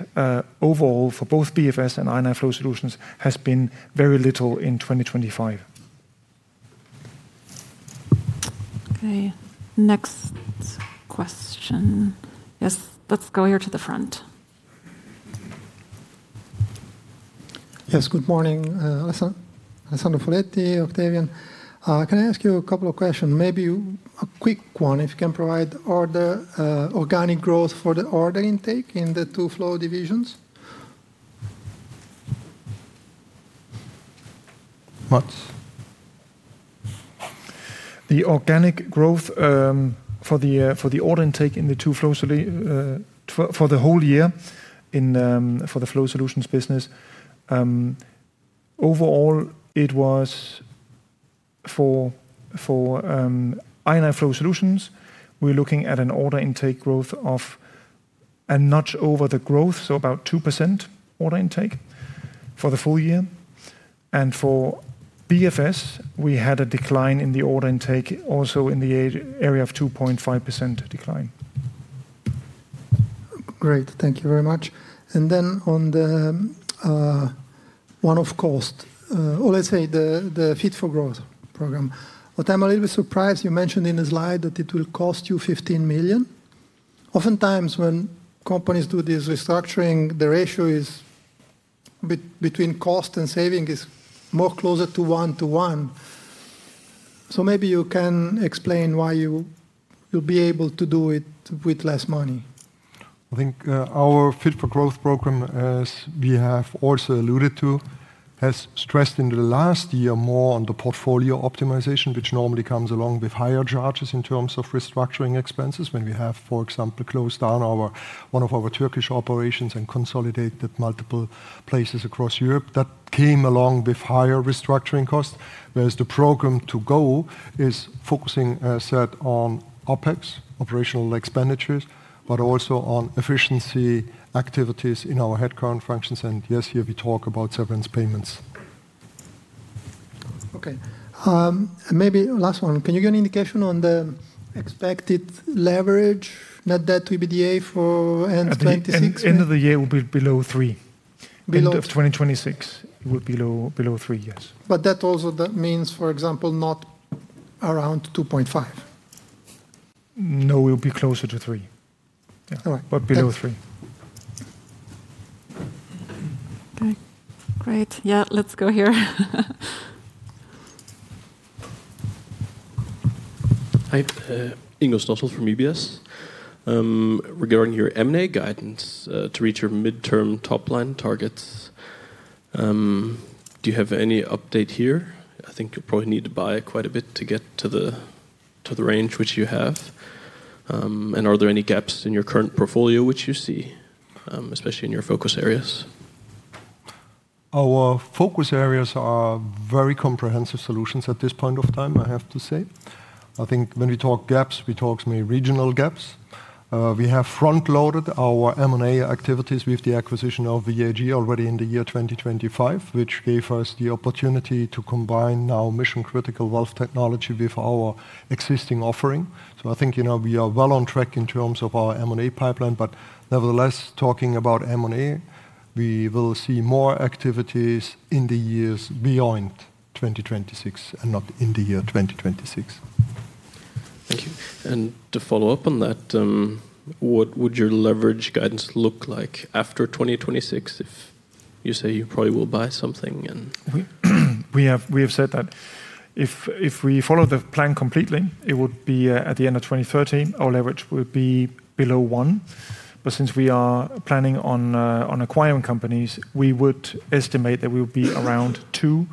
overall for both BFS and I&I Flow Solutions has been very little in 2025. Okay, next question. Yes, let's go here to the front. Yes, good morning. Alessandro Foletti, Octavian. Can I ask you a couple of questions? Maybe a quick one, if you can provide order, organic growth for the order intake in the two flow divisions. What? The organic growth for the order intake in the Flow Solutions business overall, it was for I&I Flow Solutions, we're looking at an order intake growth of a notch over the growth, so about 2% order intake for the full year. For BFS, we had a decline in the order intake, also in the area of 2.5% decline. Great. Thank you very much. On the one of cost, or let's say the Fit for Growth program. What I'm a little bit surprised, you mentioned in the slide that it will cost you 15 million. Oftentimes, when companies do this restructuring, the ratio is between cost and saving is more closer to one to one. Maybe you can explain why you'll be able to do it with less money. I think, our Fit for Growth program, as we have also alluded to, has stressed in the last year more on the portfolio optimization, which normally comes along with higher charges in terms of restructuring expenses. When we have, for example, closed down our—one of our Turkish operations and consolidated multiple places across Europe, that came along with higher restructuring costs. Whereas the program to go is focusing, as said, on OpEx, operational expenditures, but also on efficiency activities in our headcount functions. Yes, here we talk about severance payments. Okay. Maybe last one, can you give an indication on the expected leverage, net debt to EBITDA for end 2026? At the end of the year will be below three. Below- End of 2026, it will below 3, yes. That also, that means, for example, not around 2.5? No, it will be closer to three. All right. Below three. Okay, great. Yeah, let's go here. Hi, Ingo Stössel from UBS. Regarding your M&A guidance, to reach your midterm top-line targets, do you have any update here? I think you probably need to buy quite a bit to get to the range which you have. Are there any gaps in your current portfolio which you see, especially in your focus areas? Our focus areas are very comprehensive solutions at this point of time, I have to say. I think when we talk gaps, we talk maybe regional gaps. We have front-loaded our M&A activities with the acquisition of VAG already in the year 2025, which gave us the opportunity to combine our mission-critical valve technology with our existing offering. I think, you know, we are well on track in terms of our M&A pipeline. Nevertheless, talking about M&A, we will see more activities in the years beyond 2026 and not in the year 2026. Thank you. To follow up on that, what would your leverage guidance look like after 2026 if you say you probably will buy something and. We have said that if we follow the plan completely, it would be at the end of 2030, our leverage would be below one. Since we are planning on acquiring companies, we would estimate that we will be around two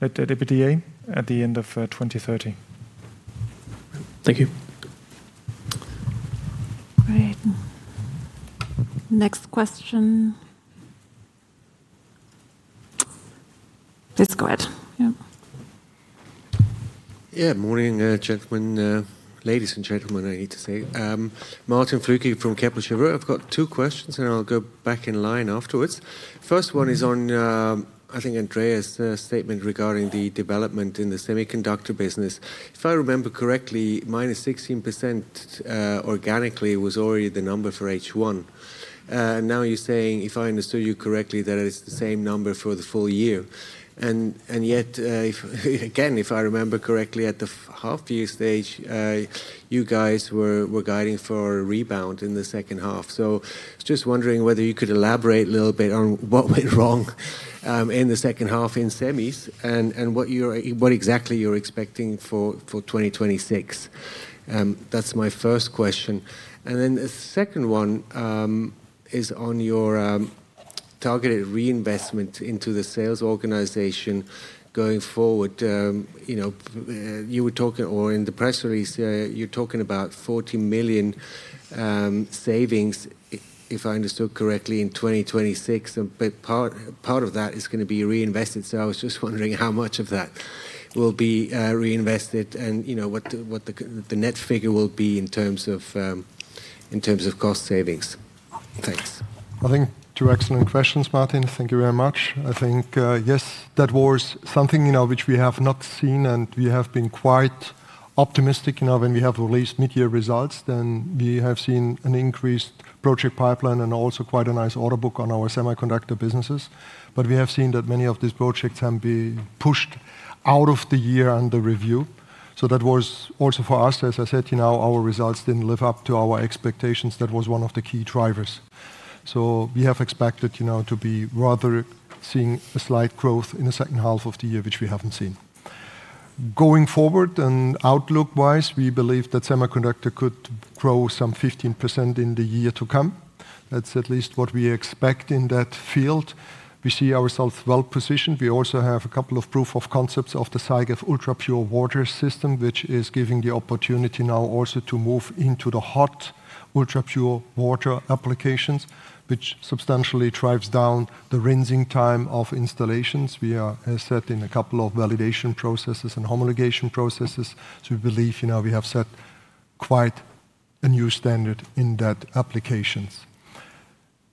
at the EBITDA at the end of 2030. Thank you. Great. Next question. Let's go ahead. Yeah. Yeah, morning, gentlemen, ladies and gentlemen, I need to say. Martin Flueckiger from Kepler Cheuvreux. I've got two questions, and I'll go back in line afterwards. First one is on, I think Andreas' statement regarding the development in the semiconductor business. If I remember correctly, -16% organically was already the number for H1. Now you're saying, if I understood you correctly, that it is the same number for the full year. Yet, again, if I remember correctly, at the half-year stage, you guys were guiding for a rebound in the second half. I was just wondering whether you could elaborate a little bit on what went wrong in the second half in semis, and what exactly you're expecting for 2026. That's my first question. The second one is on your targeted reinvestment into the sales organization going forward. You know, you were talking, or in the press release, you're talking about 40 million savings, if I understood correctly, in 2026. Part of that is gonna be reinvested. I was just wondering how much of that will be reinvested and, you know, what the net figure will be in terms of in terms of cost savings. Thanks. I think two excellent questions, Martin. Thank you very much. I think, yes, that was something, you know, which we have not seen, and we have been quite optimistic. You know, when we have released mid-year results, then we have seen an increased project pipeline and also quite a nice order book on our semiconductor businesses. We have seen that many of these projects have been pushed out of the year under review. That was also for us, as I said, you know, our results didn't live up to our expectations. That was one of the key drivers. We have expected, you know, to be rather seeing a slight growth in the second half of the year, which we haven't seen. Going forward and outlook-wise, we believe that semiconductor could grow some 15% in the year to come. That's at least what we expect in that field. We see ourselves well positioned. We also have a couple of proof of concepts of the GF Ultrapure Water System, which is giving the opportunity now also to move into the hot ultrapure water applications, which substantially drives down the rinsing time of installations. We are set in a couple of validation processes and homologation processes, so we believe, you know, we have set quite a new standard in that applications.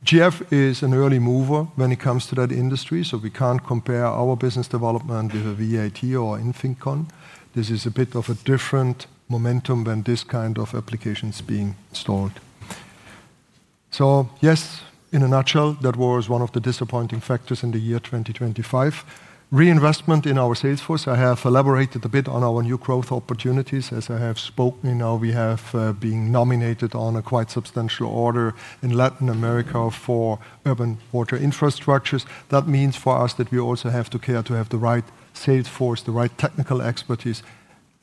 GF is an early mover when it comes to that industry, so we can't compare our business development with a VAT or INFICON. This is a bit of a different momentum when this kind of application is being installed. Yes, in a nutshell, that was one of the disappointing factors in the year 2025. Reinvestment in our sales force, I have elaborated a bit on our new growth opportunities. As I have spoken, you know, we have been nominated on a quite substantial order in Latin America for urban water infrastructures. That means for us that we also have to care to have the right sales force, the right technical expertise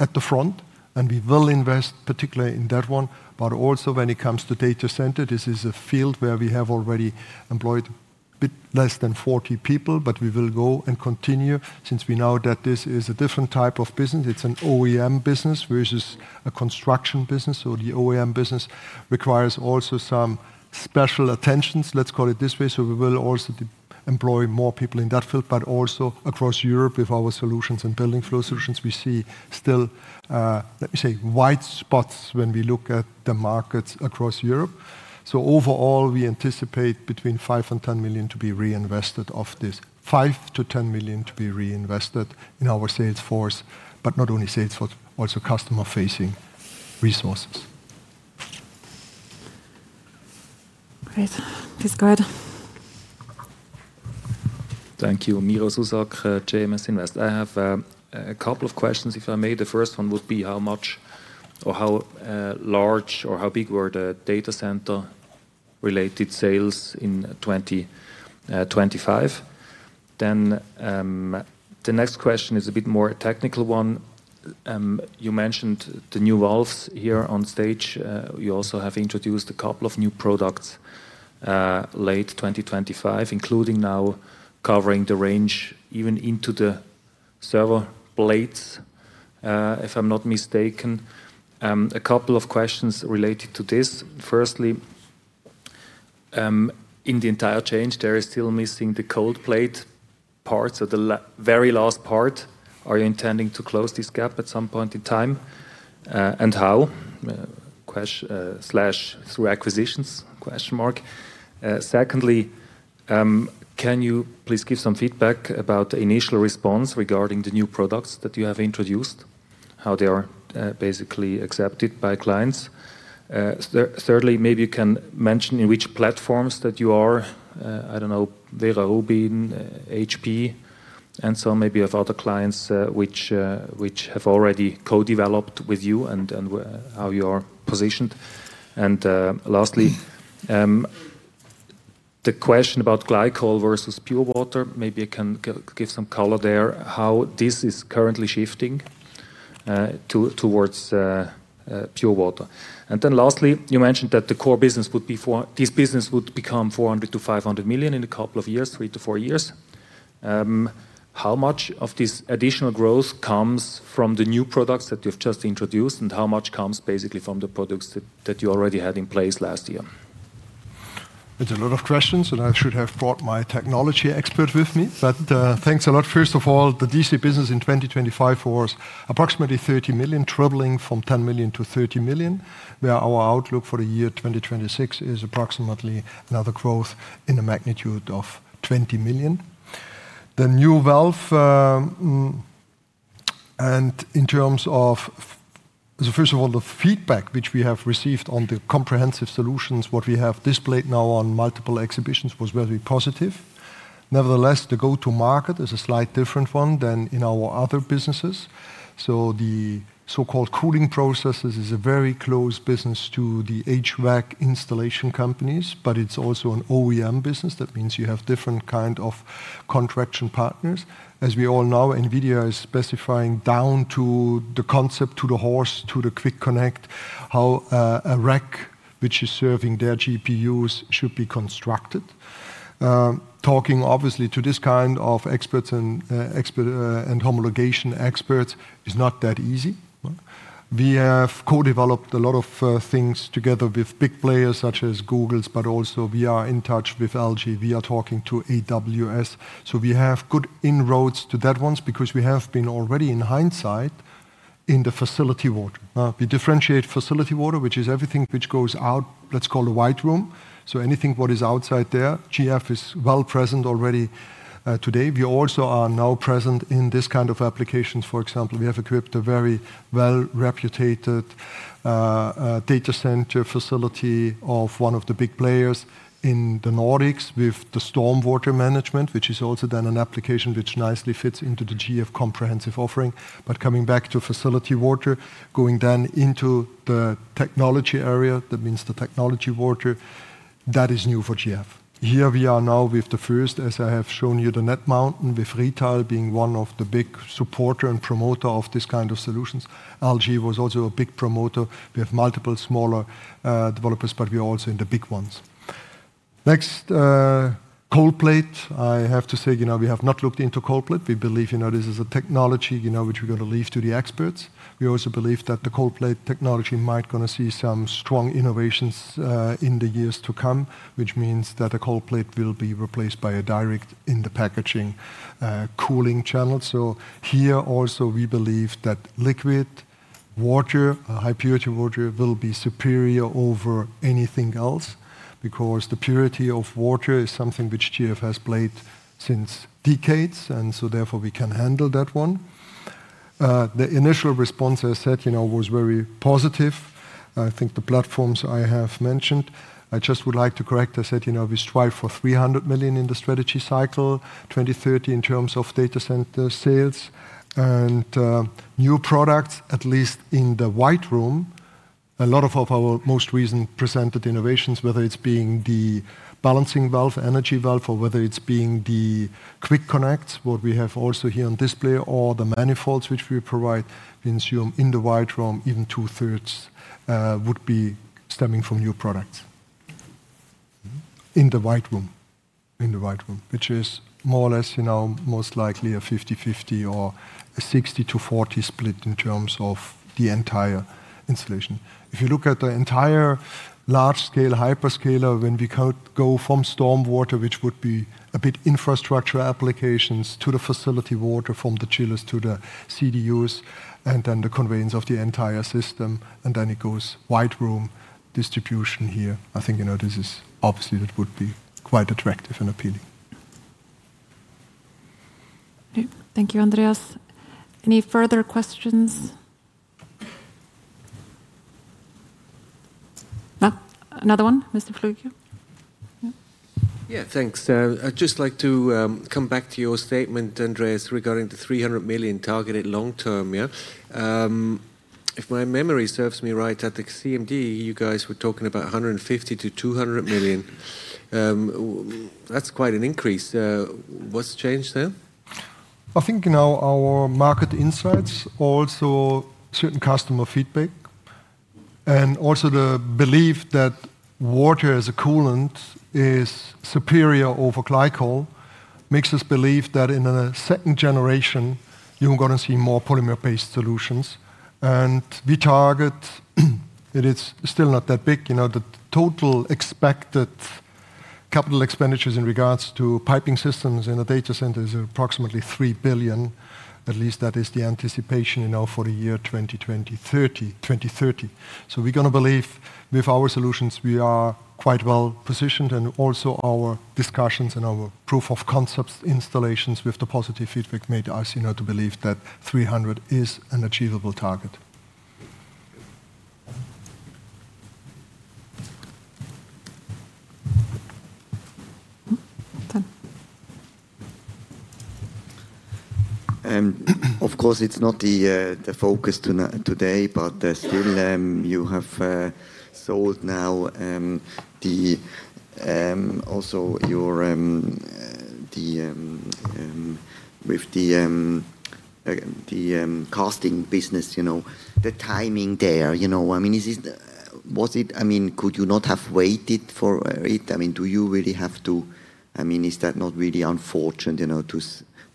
at the front, and we will invest particularly in that one. Also when it comes to data center, this is a field where we have already employed a bit less than 40 people, but we will go and continue since we know that this is a different type of business. It's an OEM business versus a construction business. The OEM business requires also some special attentions, let's call it this way, we will also employ more people in that field, but also across Europe with our solutions and Building Flow Solutions. We see still, let me say, wide spots when we look at the markets across Europe. Overall, we anticipate between 5 million and 10 million to be reinvested in our sales force, but not only sales force, also customer-facing resources. Great. Please go ahead. Thank you. Miro Zuzak, JMS Invest. I have a couple of questions, if I may. The first one would be, how much or how large or how big were the data center-related sales in 2025? The next question is a bit more a technical one. You mentioned the new valves here on stage. You also have introduced a couple of new products, late 2025, including now covering the range even into the server blades, if I'm not mistaken. A couple of questions related to this. Firstly, in the entire change, there is still missing the cold plate parts or the very last part. Are you intending to close this gap at some point in time, and how? Slash through acquisitions? Secondly, can you please give some feedback about the initial response regarding the new products that you have introduced, how they are basically accepted by clients? Thirdly, maybe you can mention in which platforms that you are, I don't know, Vera Rubin, HP, and so on. Maybe you have other clients which have already co-developed with you and how you are positioned. Lastly, the question about glycol versus pure water. Maybe you can give some color there, how this is currently shifting towards pure water. Lastly, you mentioned that the core business would be This business would become 400 million-500 million in a couple of years, three to four years. How much of this additional growth comes from the new products that you've just introduced, and how much comes basically from the products that you already had in place last year? It's a lot of questions. I should have brought my technology expert with me. Thanks a lot. First of all, the DC business in 2025 was approximately 30 million, troubling from 10 million to 30 million, where our outlook for the year 2026 is approximately another growth in the magnitude of 20 million. The new valve. First of all, the feedback which we have received on the comprehensive solutions, what we have displayed now on multiple exhibitions, was very positive. Nevertheless, the go-to market is a slight different one than in our other businesses. The so-called cooling processes is a very close business to the HVAC installation companies, but it's also an OEM business. That means you have different kind of contraction partners. As we all know, NVIDIA is specifying down to the concept, to the horse, to the quick connect, how a rack which is serving their GPUs should be constructed. Talking obviously to this kind of experts and expert and homologation experts is not that easy, right? We have co-developed a lot of things together with big players such as Google, but also we are in touch with LG. We are talking to AWS. We have good inroads to that ones because we have been already, in hindsight, in the facility water. We differentiate facility water, which is everything which goes out, let's call a white room. Anything what is outside there, GF is well present already today. We also are now present in this kind of applications. For example, we have equipped a very well-reputed data center facility of one of the big players in the Nordics with the stormwater management, which is also then an application which nicely fits into the GF comprehensive offering. Coming back to facility water, going down into the technology area, that means the technology water, that is new for GF. Here we are now with the first, as I have shown you, the nLighten, with Rittal being one of the big supporter and promoter of this kind of solutions. LG was also a big promoter. We have multiple smaller developers, but we are also in the big ones. Next, cold plate. I have to say, you know, we have not looked into cold plate. We believe, you know, this is a technology, you know, which we're gonna leave to the experts. We also believe that the cold plate technology might gonna see some strong innovations in the years to come, which means that a cold plate will be replaced by a direct-in-the-packaging cooling channel. Here also, we believe that liquid water, a high-purity water, will be superior over anything else because the purity of water is something which GF has played since decades, and so therefore, we can handle that one. The initial response, I said, you know, was very positive. I think the platforms I have mentioned, I just would like to correct, I said, you know, we strive for 300 million in the Strategy 2030 in terms of data center sales and new products, at least in the white room. A lot of our most recent presented innovations, whether it is being the balancing valve, energy valve, or whether it is being the quick connects, what we have also here on display, or the manifolds which we provide, we assume in the white room, even 2/3 would be stemming from new products. In the white room, which is more or less, you know, most likely a 50/50 or a 60/40 split in terms of the entire installation. If you look at the entire large-scale hyperscaler, when we go from stormwater, which would be a bit infrastructure applications, to the facility water, from the chillers to the CDUs. The conveyance of the entire system, then it goes white room distribution here, I think, you know, this is obviously that would be quite attractive and appealing. Okay. Thank you, Andreas. Any further questions? Another one, Mr. Flueckiger? Yeah. Thanks. I'd just like to come back to your statement, Andreas, regarding the 300 million targeted long term, yeah? If my memory serves me right, at the CMD, you guys were talking about 150 million-200 million. That's quite an increase. What's changed there? I think, you know, our market insights, also certain customer feedback, and also the belief that water as a coolant is superior over glycol, makes us believe that in a second generation, you're gonna see more polymer-based solutions. We target, it is still not that big. You know, the total expected capital expenditures in regards to piping systems in a data center is approximately 3 billion. At least that is the anticipation, you know, for the year 2030. We're gonna believe with our solutions, we are quite well-positioned, and also our discussions and our proof of concepts installations with the positive feedback made us, you know, to believe that 300 million is an achievable target. Of course, it's not the the focus today, but still, you have sold now the also your the with the Casting business, you know, the timing there. You know, I mean, was it I mean, could you not have waited for it? I mean, do you really have to I mean, is that not really unfortunate, you know,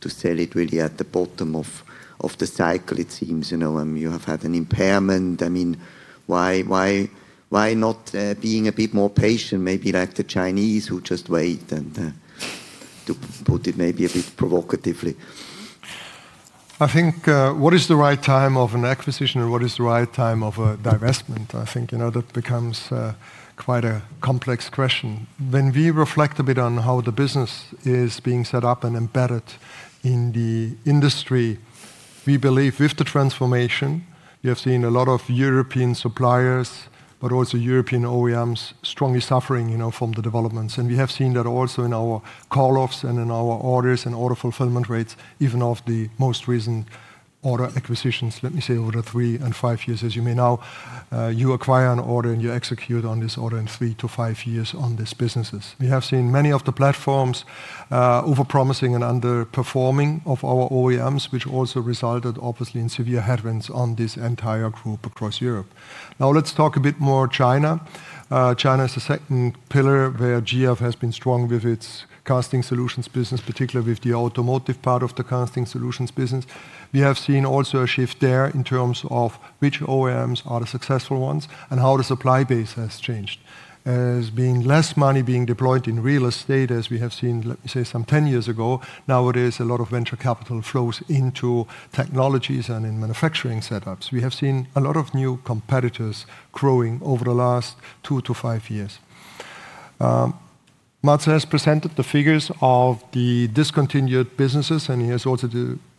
to sell it really at the bottom of the cycle, it seems, you know, and you have had an impairment. I mean, why not being a bit more patient, maybe like the Chinese, who just wait and to put it maybe a bit provocatively? I think, what is the right time of an acquisition and what is the right time of a divestment? I think, you know, that becomes, quite a complex question. When we reflect a bit on how the business is being set up and embedded in the industry, we believe with the transformation, we have seen a lot of European suppliers, but also European OEMs strongly suffering, you know, from the developments. We have seen that also in our call-offs and in our orders and order fulfillment rates, even of the most recent order acquisitions, let me say, over three and five years. As you may know, you acquire an order, and you execute on this order in three to five years on these businesses. We have seen many of the platforms, over-promising and underperforming of our OEMs, which also resulted obviously in severe headwinds on this entire group across Europe. Let's talk a bit more China. China is the second pillar where GF has been strong with its Casting Solutions business, particularly with the automotive part of the Casting Solutions business. We have seen also a shift there in terms of which OEMs are the successful ones and how the supply base has changed. Being less money being deployed in real estate, as we have seen, let me say, some 10 years ago, nowadays, a lot of venture capital flows into technologies and in manufacturing setups. We have seen a lot of new competitors growing over the last two to five years. Mads’ has presented the figures of the discontinued businesses, and he has also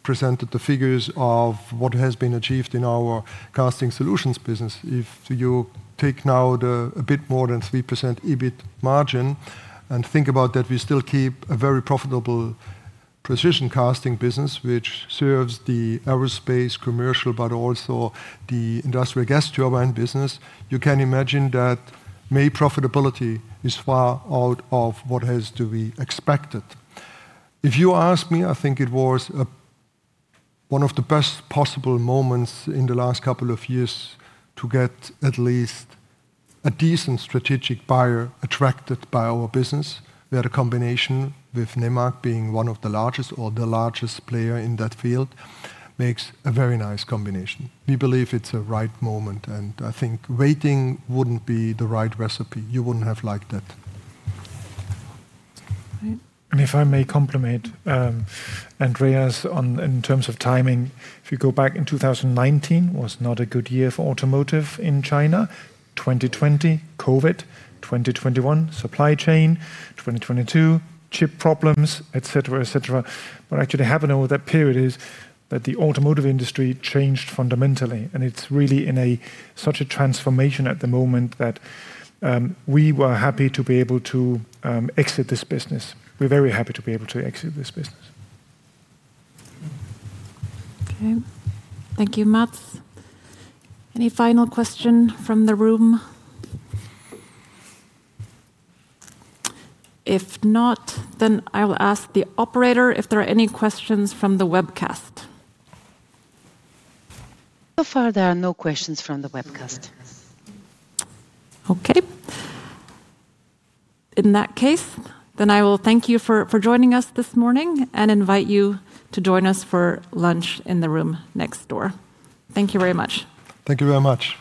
presented the figures of what has been achieved in our Casting Solutions business. If you take now the a bit more than 3% EBIT margin and think about that, we still keep a very profitable precision casting business, which serves the aerospace, commercial, but also the industrial gas turbine business. You can imagine that May profitability is far out of what has to be expected. If you ask me, I think it was one of the best possible moments in the last couple of years to get at least a decent strategic buyer attracted by our business, where the combination with Nemak being one of the largest or the largest player in that field, makes a very nice combination. We believe it's a right moment. I think waiting wouldn't be the right recipe. You wouldn't have liked that. Right. If I may compliment Andreas on, in terms of timing, if you go back in 2019, was not a good year for automotive in China. 2020, COVID. 2021, supply chain. 2022, chip problems, et cetera, et cetera. What actually happened over that period is that the automotive industry changed fundamentally, and it's really in a such a transformation at the moment that we were happy to be able to exit this business. We're very happy to be able to exit this business. Okay. Thank you, Mads. Any final question from the room? If not, I will ask the operator if there are any questions from the webcast. So far, there are no questions from the webcast. Okay. In that case, I will thank you for joining us this morning and invite you to join us for lunch in the room next door. Thank you very much. Thank you very much.